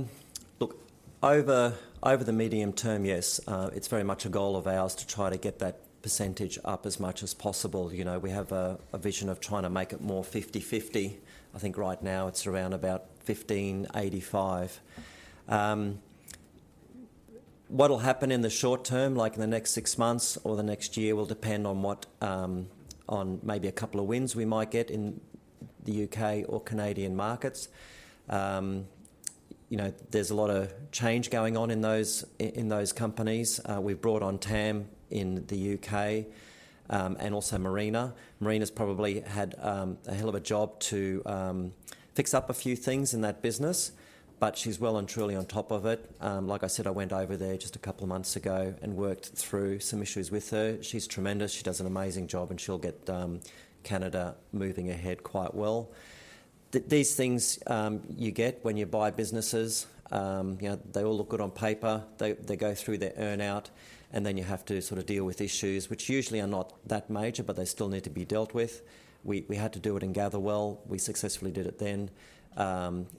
Look, over the medium term, yes, it's very much a goal of ours to try to get that percentage up as much as possible. We have a vision of trying to make it more 50%-50%. I think right now it's around about 15%-85%. What will happen in the short term, like in the next six months or the next year, will depend on maybe a couple of wins we might get in the U.K. or Canadian markets. There's a lot of change going on in those companies. We've brought on Tam in the U.K. and also Marina. Marina's probably had a hell of a job to fix up a few things in that business, but she's well and truly on top of it. Like I said, I went over there just a couple of months ago and worked through some issues with her. She's tremendous. She does an amazing job, and she'll get Canada moving ahead quite well. These things you get when you buy businesses. They all look good on paper. They go through their earnout, and then you have to sort of deal with issues, which usually are not that major, but they still need to be dealt with. We had to do it and Gatherwell. We successfully did it then.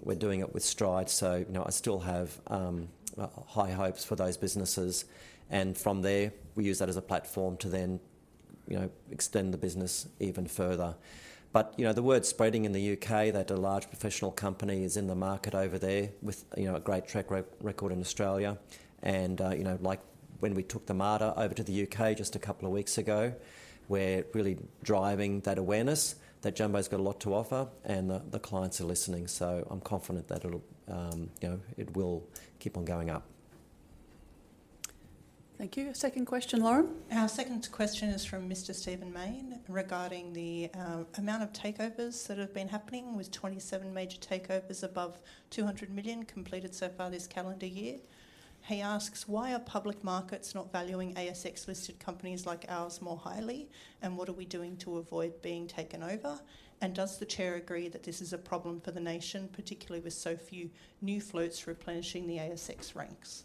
We're doing it with Stride. So I still have high hopes for those businesses. And from there, we use that as a platform to then extend the business even further. But the word's spreading in the U.K. that a large professional company is in the market over there with a great track record in Australia. Like when we took the MADA over to the U.K. just a couple of weeks ago, we're really driving that awareness that Jumbo's got a lot to offer, and the clients are listening. So I'm confident that it will keep on going up. Thank you. A second question, Lauren. Our second question is from Mr. Stephen Mayne regarding the amount of takeovers that have been happening with 27 major takeovers above 200 million completed so far this calendar year. He asks, why are public markets not valuing ASX-listed companies like ours more highly, and what are we doing to avoid being taken over? And does the chair agree that this is a problem for the nation, particularly with so few new floats replenishing the ASX ranks?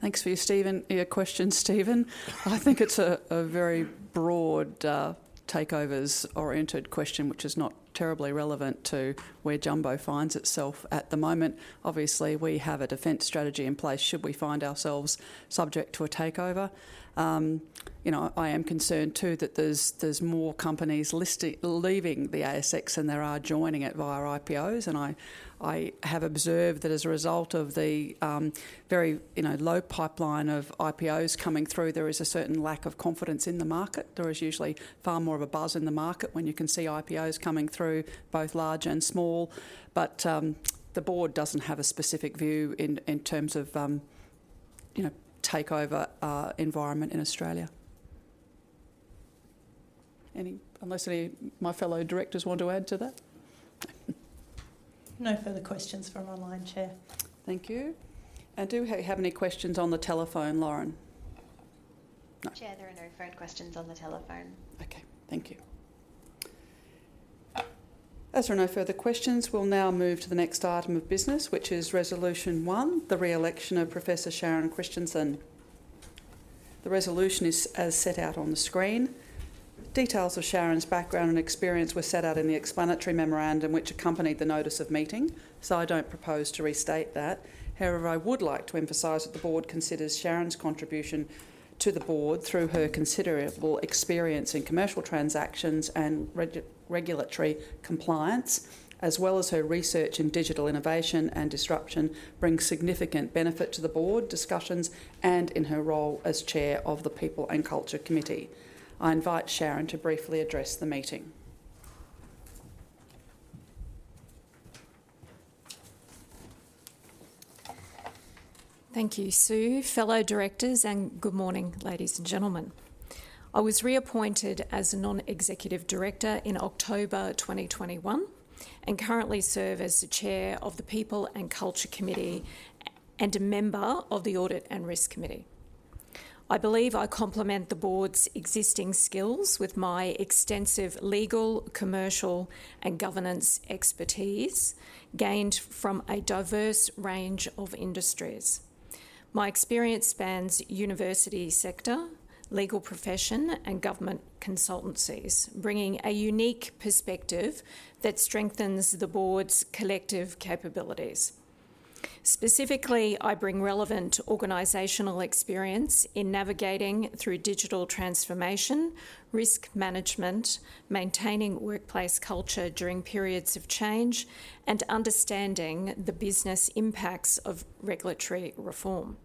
Thanks for your question, Stephen. I think it's a very broad takeovers-oriented question, which is not terribly relevant to where Jumbo finds itself at the moment. Obviously, we have a defense strategy in place should we find ourselves subject to a takeover. I am concerned, too, that there's more companies leaving the ASX than there are joining it via IPOs, and I have observed that as a result of the very low pipeline of IPOs coming through, there is a certain lack of confidence in the market. There is usually far more of a buzz in the market when you can see IPOs coming through, both large and small, but the board doesn't have a specific view in terms of takeover environment in Australia. Unless any of my fellow directors want to add to that? No further questions from online chair. Thank you. And do we have any questions on the telephone, Lauren? Chair, there are no further questions on the telephone. Okay. Thank you. As there are no further questions, we'll now move to the next item of business, which is Resolution One, the re-election of Professor Sharon Christensen. The resolution is as set out on the screen. Details of Sharon's background and experience were set out in the explanatory memorandum which accompanied the notice of meeting, so I don't propose to restate that. However, I would like to emphasize that the board considers Sharon's contribution to the board through her considerable experience in commercial transactions and regulatory compliance, as well as her research in digital innovation and disruption, brings significant benefit to the board discussions and in her role as chair of the People and Culture Committee. I invite Sharon to briefly address the meeting. Thank you, Sue. Fellow directors, and good morning, ladies and gentlemen. I was reappointed as a non-executive director in October 2021 and currently serve as the chair of the People and Culture Committee and a member of the Audit and Risk Committee. I believe I complement the board's existing skills with my extensive legal, commercial, and governance expertise gained from a diverse range of industries. My experience spans university sector, legal profession, and government consultancies, bringing a unique perspective that strengthens the board's collective capabilities. Specifically, I bring relevant organizational experience in navigating through digital transformation, risk management, maintaining workplace culture during periods of change, and understanding the business impacts of regulatory reform.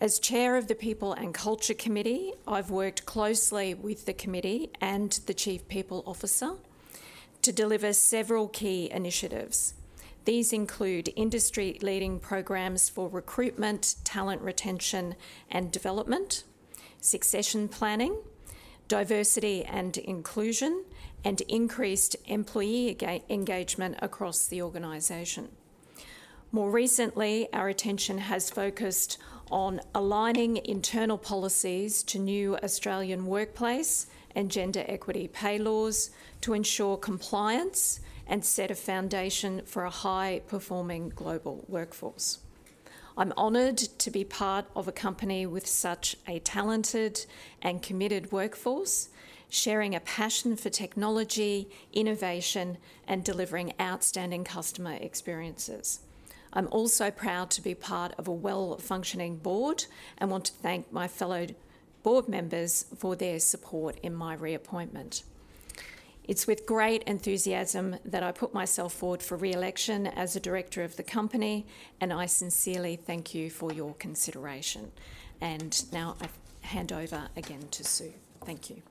As chair of the People and Culture Committee, I've worked closely with the committee and the chief people officer to deliver several key initiatives. These include industry-leading programs for recruitment, talent retention and development, succession planning, diversity and inclusion, and increased employee engagement across the organization. More recently, our attention has focused on aligning internal policies to new Australian workplace and gender equity pay laws to ensure compliance and set a foundation for a high-performing global workforce. I'm honored to be part of a company with such a talented and committed workforce, sharing a passion for technology, innovation, and delivering outstanding customer experiences. I'm also proud to be part of a well-functioning board and want to thank my fellow board members for their support in my reappointment. It's with great enthusiasm that I put myself forward for re-election as a director of the company, and I sincerely thank you for your consideration. And now I hand over again to Sue. Thank you.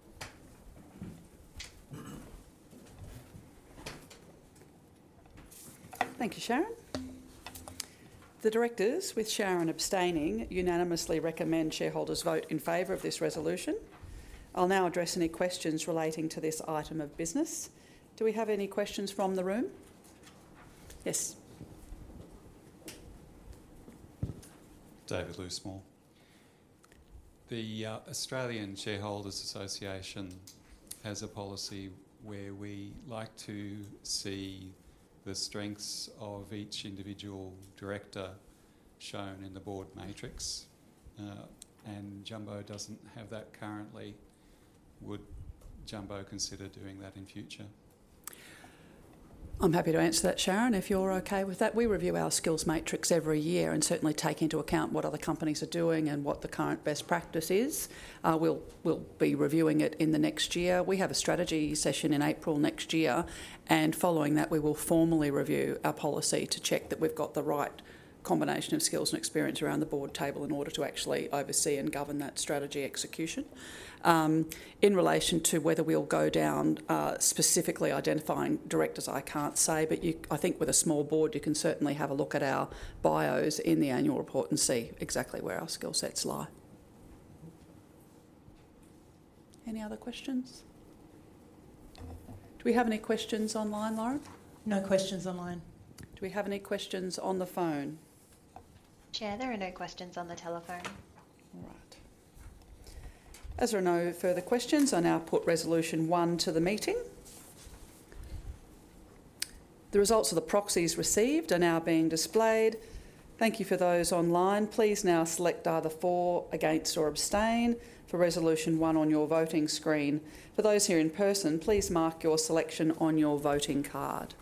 Thank you, Sharon. The directors, with Sharon abstaining, unanimously recommend shareholders vote in favor of this resolution. I'll now address any questions relating to this item of business. Do we have any questions from the room? Yes. David Luce once more. The Australian Shareholders' Association has a policy where we like to see the strengths of each individual director shown in the board matrix, and Jumbo doesn't have that currently. Would Jumbo consider doing that in future? I'm happy to answer that, Sharon. If you're okay with that, we review our skills matrix every year and certainly take into account what other companies are doing and what the current best practice is. We'll be reviewing it in the next year. We have a strategy session in April next year, and following that, we will formally review our policy to check that we've got the right combination of skills and experience around the board table in order to actually oversee and govern that strategy execution. In relation to whether we'll go down specifically identifying directors, I can't say, but I think with a small board, you can certainly have a look at our bios in the annual report and see exactly where our skill sets lie. Any other questions? Do we have any questions online, Lauren? No questions online. Do we have any questions on the phone? Chair, there are no questions on the telephone. All right. As there are no further questions, I now put Resolution One to the meeting. The results of the proxies received are now being displayed. Thank you for those online. Please now select either for, against, or abstain for Resolution One on your voting screen. For those here in person, please mark your selection on your voting card.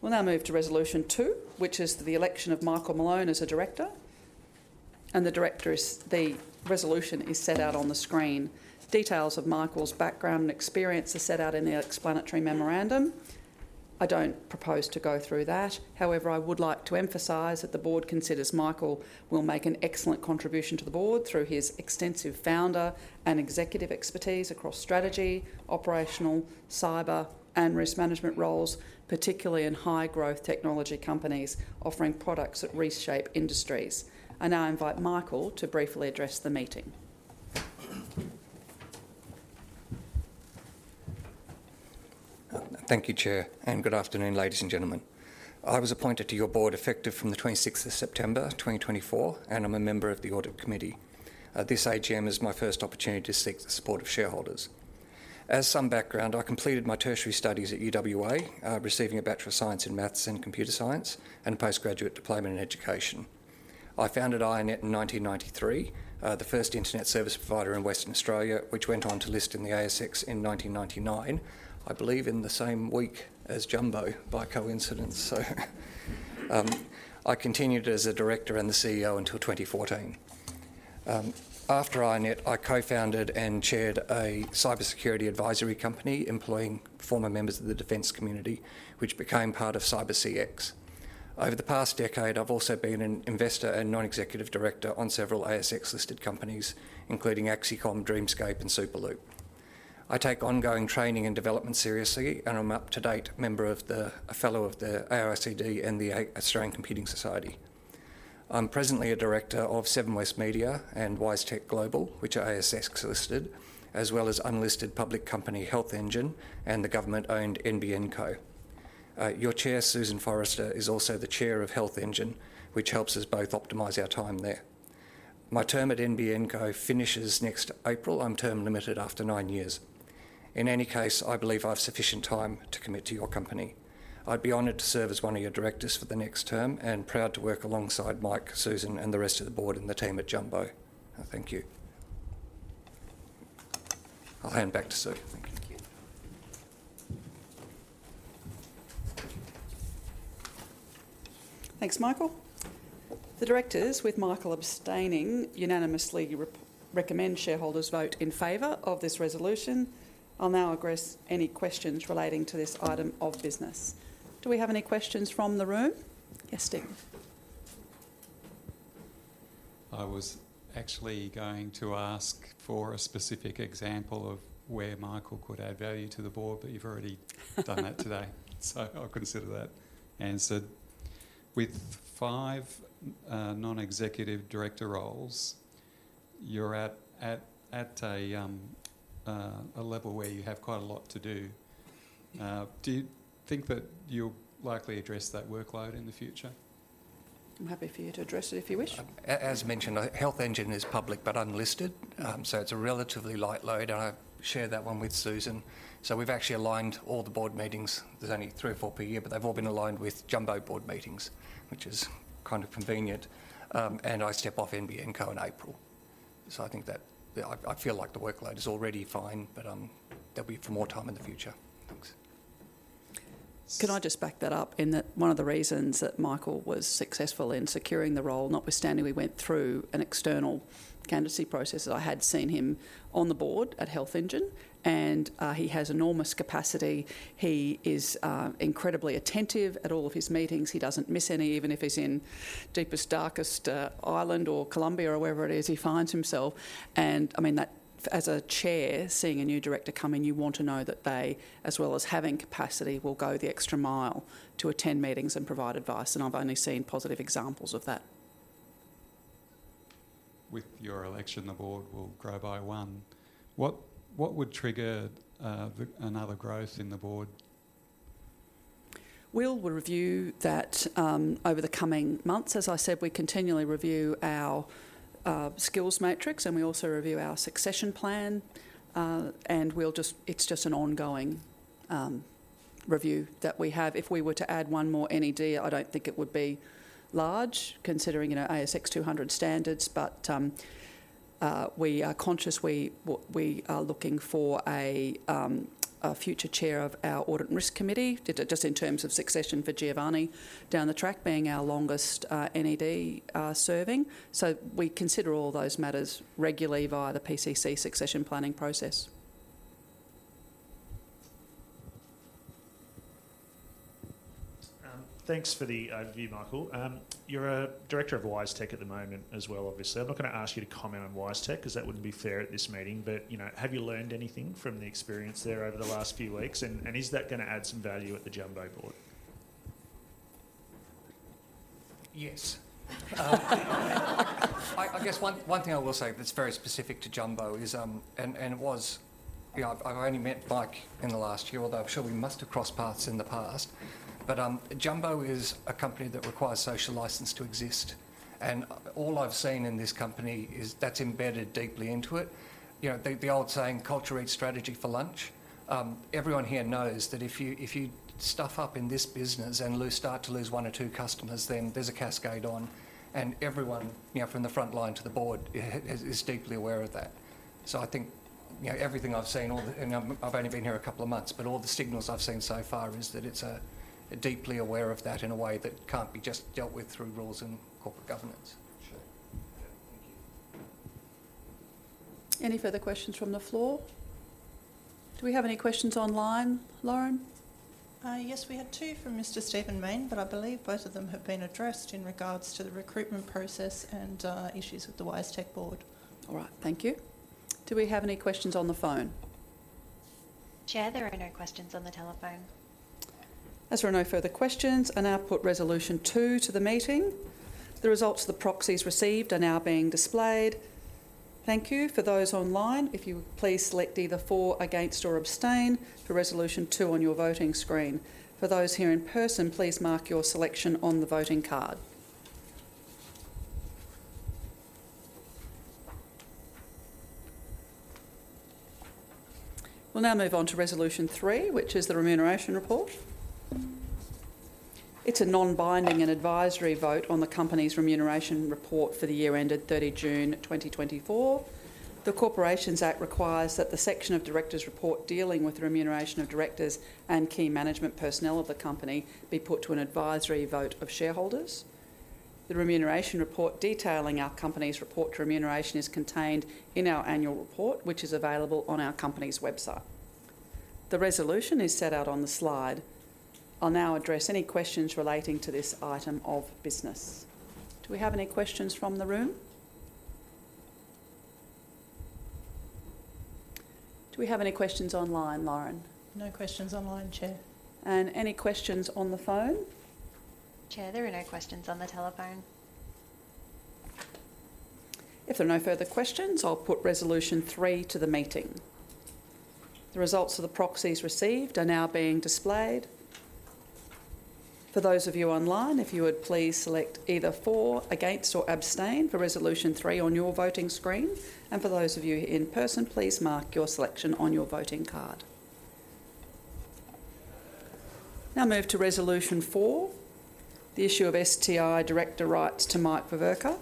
We'll now move to Resolution Two, which is the election of Michael Malone as a director, and the resolution is set out on the screen. Details of Michael's background and experience are set out in the explanatory memorandum. I don't propose to go through that. However, I would like to emphasize that the board considers Michael will make an excellent contribution to the board through his extensive founder and executive expertise across strategy, operational, cyber, and risk management roles, particularly in high-growth technology companies offering products that reshape industries. I now invite Michael to briefly address the meeting. Thank you, Chair. Good afternoon, ladies and gentlemen. I was appointed to your board effective from the 26th of September, 2024, and I'm a member of the Audit Committee. This AGM is my first opportunity to seek the support of shareholders. As some background, I completed my tertiary studies at UWA, receiving a Bachelor of Science in Math and Computer Science and a postgraduate diploma in education. I founded iiNet in 1993, the first internet service provider in Western Australia, which went on to list in the ASX in 1999, I believe in the same week as Jumbo, by coincidence. So I continued as a director and the CEO until 2014. After iiNet, I co-founded and chaired a cybersecurity advisory company employing former members of the defense community, which became part of CyberCX. Over the past decade, I've also been an investor and non-executive director on several ASX-listed companies, including Axicom, Dreamscape, and Superloop. I take ongoing training and development seriously, and I'm an up-to-date member of the AICD and the Australian Computing Society. I'm presently a director of Seven West Media and WiseTech Global, which are ASX-listed, as well as unlisted public company HealthEngine and the government-owned NBN Co. Your Chair, Susan Forrester, is also the Chair of HealthEngine, which helps us both optimize our time there. My term at NBN Co finishes next April. I'm term-limited after nine years. In any case, I believe I have sufficient time to commit to your company. I'd be honored to serve as one of your directors for the next term and proud to work alongside Mike, Susan, and the rest of the board and the team at Jumbo. Thank you. I'll hand back to Sue. Thank you. Thanks, Michael. The directors, with Michael abstaining, unanimously recommend shareholders vote in favor of this resolution. I'll now address any questions relating to this item of business. Do we have any questions from the room? Yes, Steven. I was actually going to ask for a specific example of where Michael could add value to the board, but you've already done that today, so I'll consider that answered. With five non-executive director roles, you're at a level where you have quite a lot to do. Do you think that you'll likely address that workload in the future? I'm happy for you to address it if you wish. As mentioned, HealthEngine is public but unlisted, so it's a relatively light load, and I share that one with Susan, so we've actually aligned all the board meetings. There's only three or four per year, but they've all been aligned with Jumbo board meetings, which is kind of convenient, and I step off NBN Co in April, so I think that I feel like the workload is already fine, but there'll be for more time in the future. Thanks. Can I just back that up in that one of the reasons that Michael was successful in securing the role, notwithstanding we went through an external candidacy process, is I had seen him on the board at HealthEngine, and he has enormous capacity. He is incredibly attentive at all of his meetings. He doesn't miss any, even if he's in deepest, darkest Ireland or Colombia or wherever it is, he finds himself, and I mean, as a chair, seeing a new director come in, you want to know that they, as well as having capacity, will go the extra mile to attend meetings and provide advice, and I've only seen positive examples of that. With your election, the board will grow by one. What would trigger another growth in the board? We'll review that over the coming months. As I said, we continually review our skills matrix, and we also review our succession plan, and it's just an ongoing review that we have. If we were to add one more NED, I don't think it would be large, considering ASX 200 standards, but we are conscious we are looking for a future chair of our Audit and Risk Committee, just in terms of succession for Giovanni down the track, being our longest NED serving, so we consider all those matters regularly via the PCC succession planning process. Thanks for the overview, Michael. You're a director of WiseTech at the moment as well, obviously. I'm not going to ask you to comment on WiseTech because that wouldn't be fair at this meeting. But have you learned anything from the experience there over the last few weeks, and is that going to add some value at the Jumbo board? Yes. I guess one thing I will say that's very specific to Jumbo is, and it was, I've only met Mike in the last year, although I'm sure we must have crossed paths in the past. But Jumbo is a company that requires social license to exist. And all I've seen in this company is that's embedded deeply into it. The old saying, culture eats strategy for lunch. Everyone here knows that if you stuff up in this business and start to lose one or two customers, then there's a cascade on. And everyone from the front line to the board is deeply aware of that. So I think everything I've seen, and I've only been here a couple of months, but all the signals I've seen so far is that it's deeply aware of that in a way that can't be just dealt with through rules and corporate governance. Sure. Thank you. Any further questions from the floor? Do we have any questions online, Lauren? Yes, we had two from Mr. Stephen Mayne, but I believe both of them have been addressed in regards to the recruitment process and issues with the WiseTech board. All right. Thank you. Do we have any questions on the phone? Chair, there are no questions on the telephone. As there are no further questions, I now put Resolution Two to the meeting. The results of the proxies received are now being displayed. Thank you. For those online, if you would please select either for, against, or abstain for Resolution Two on your voting screen. For those here in person, please mark your selection on the voting card. We'll now move on to Resolution Three, which is the remuneration report. It's a non-binding and advisory vote on the company's remuneration report for the year ended 30 June 2024. The Corporations Act requires that the section of directors' report dealing with the remuneration of directors and key management personnel of the company be put to an advisory vote of shareholders. The remuneration report detailing our company's approach to remuneration is contained in our annual report, which is available on our company's website. The resolution is set out on the slide. I'll now address any questions relating to this item of business. Do we have any questions from the room? Do we have any questions online, Lauren? No questions online, Chair. And any questions on the phone? Chair, there are no questions on the telephone. If there are no further questions, I'll put Resolution Three to the meeting. The results of the proxies received are now being displayed. For those of you online, if you would please select either for, against, or abstain for Resolution Three on your voting screen. And for those of you in person, please mark your selection on your voting card. Now move to Resolution Four, the issue of STI director rights to Mike Veverka.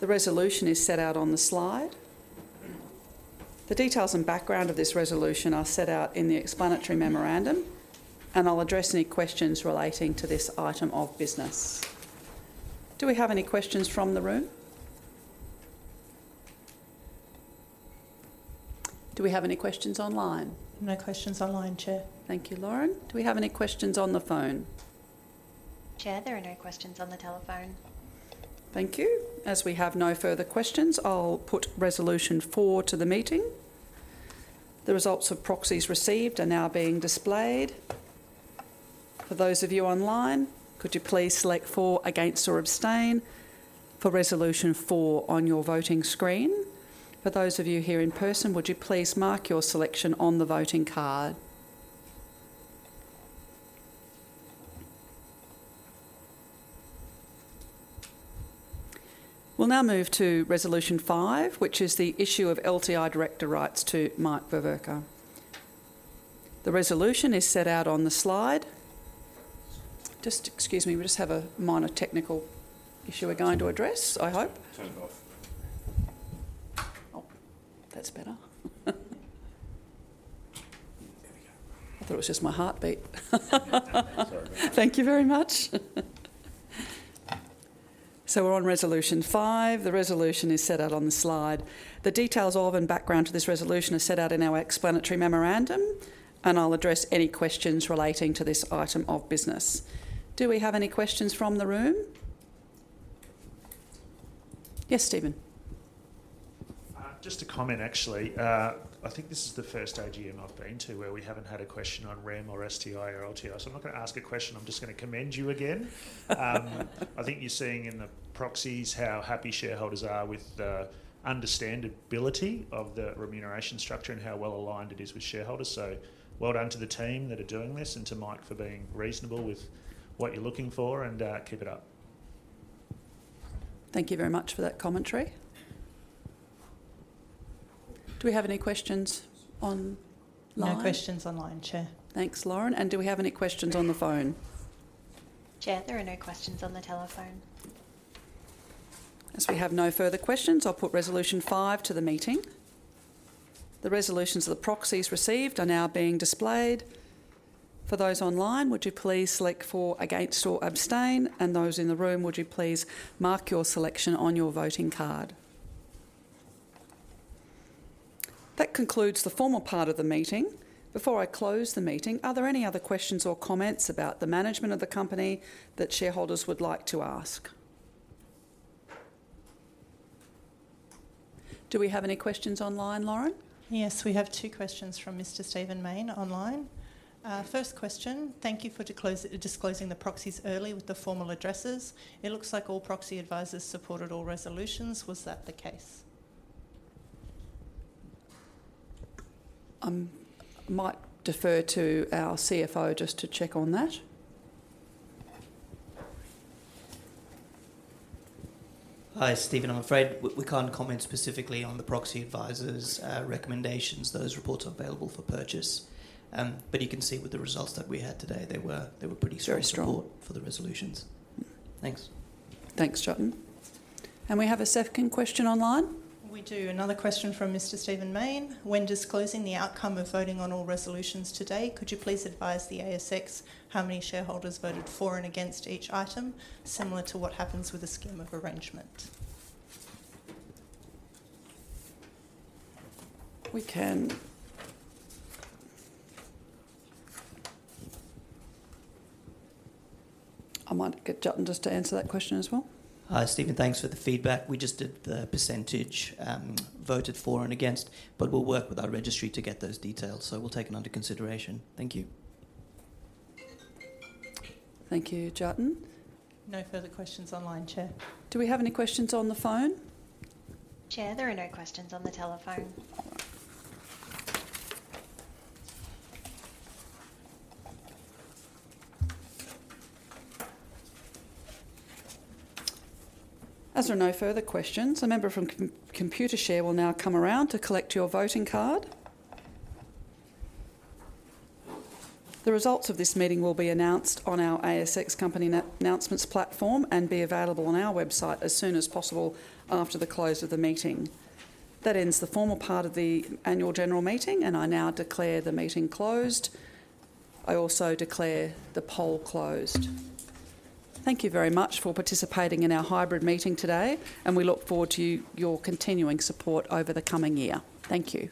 The resolution is set out on the slide. The details and background of this resolution are set out in the explanatory memorandum, and I'll address any questions relating to this item of business. Do we have any questions from the room? Do we have any questions online? No questions online, Chair. Thank you, Lauren. Do we have any questions on the phone? Chair, there are no questions on the telephone. Thank you. As we have no further questions, I'll put Resolution Four to the meeting. The results of proxies received are now being displayed. For those of you online, could you please select for, against, or abstain for Resolution Four on your voting screen? For those of you here in person, would you please mark your selection on the voting card? We'll now move to Resolution Five, which is the issue of LTI director rights to Mike Veverka. The resolution is set out on the slide. Just excuse me, we just have a minor technical issue we're going to address, I hope. Turned off. Oh, that's better. There we go. I thought it was just my heartbeat. Sorry. Thank you very much. So we're on Resolution Five. The resolution is set out on the slide. The details of and background to this resolution are set out in our explanatory memorandum, and I'll address any questions relating to this item of business. Do we have any questions from the room? Yes, Stephen. Just a comment, actually. I think this is the first AGM I've been to where we haven't had a question on REM or STI or LTI. So I'm not going to ask a question. I'm just going to commend you again. I think you're seeing in the proxies how happy shareholders are with the understandability of the remuneration structure and how well aligned it is with shareholders. So well done to the team that are doing this and to Mike for being reasonable with what you're looking for and keep it up. Thank you very much for that commentary. Do we have any questions online? No questions online, Chair. Thanks, Lauren. And do we have any questions on the phone? Chair, there are no questions on the telephone. As we have no further questions, I'll put Resolution Five to the meeting. The resolutions of the proxies received are now being displayed. For those online, would you please select for, against, or abstain? And those in the room, would you please mark your selection on your voting card? That concludes the formal part of the meeting. Before I close the meeting, are there any other questions or comments about the management of the company that shareholders would like to ask? Do we have any questions online, Lauren? Yes, we have two questions from Mr. Stephen Mayne online. First question, thank you for disclosing the proxies early with the formal addresses. It looks like all proxy advisors supported all resolutions. Was that the case? I might defer to our CFO just to check on that. Hi, Stephen. I'm afraid we can't comment specifically on the proxy advisors' recommendations. Those reports are available for purchase. But you can see with the results that we had today, they were pretty strong for the resolutions. Thanks. Thanks, Jatin. And we have a second question online? We do. Another question from Mr. Stephen Mayne. When disclosing the outcome of voting on all resolutions today, could you please advise the ASX how many shareholders voted for and against each item, similar to what happens with a scheme of arrangement? We can. I might get Jatin just to answer that question as well. Hi, Stephen. Thanks for the feedback. We just did the percentage voted for and against, but we'll work with our registry to get those details. So we'll take it under consideration. Thank you. Thank you, Jatin. No further questions online, Chair. Do we have any questions on the phone? Chair, there are no questions on the telephone. As there are no further questions, a member from Computershare will now come around to collect your voting card. The results of this meeting will be announced on our ASX Company Announcements platform and be available on our website as soon as possible after the close of the meeting. That ends the formal part of the annual general meeting, and I now declare the meeting closed. I also declare the poll closed. Thank you very much for participating in our hybrid meeting today, and we look forward to your continuing support over the coming year. Thank you.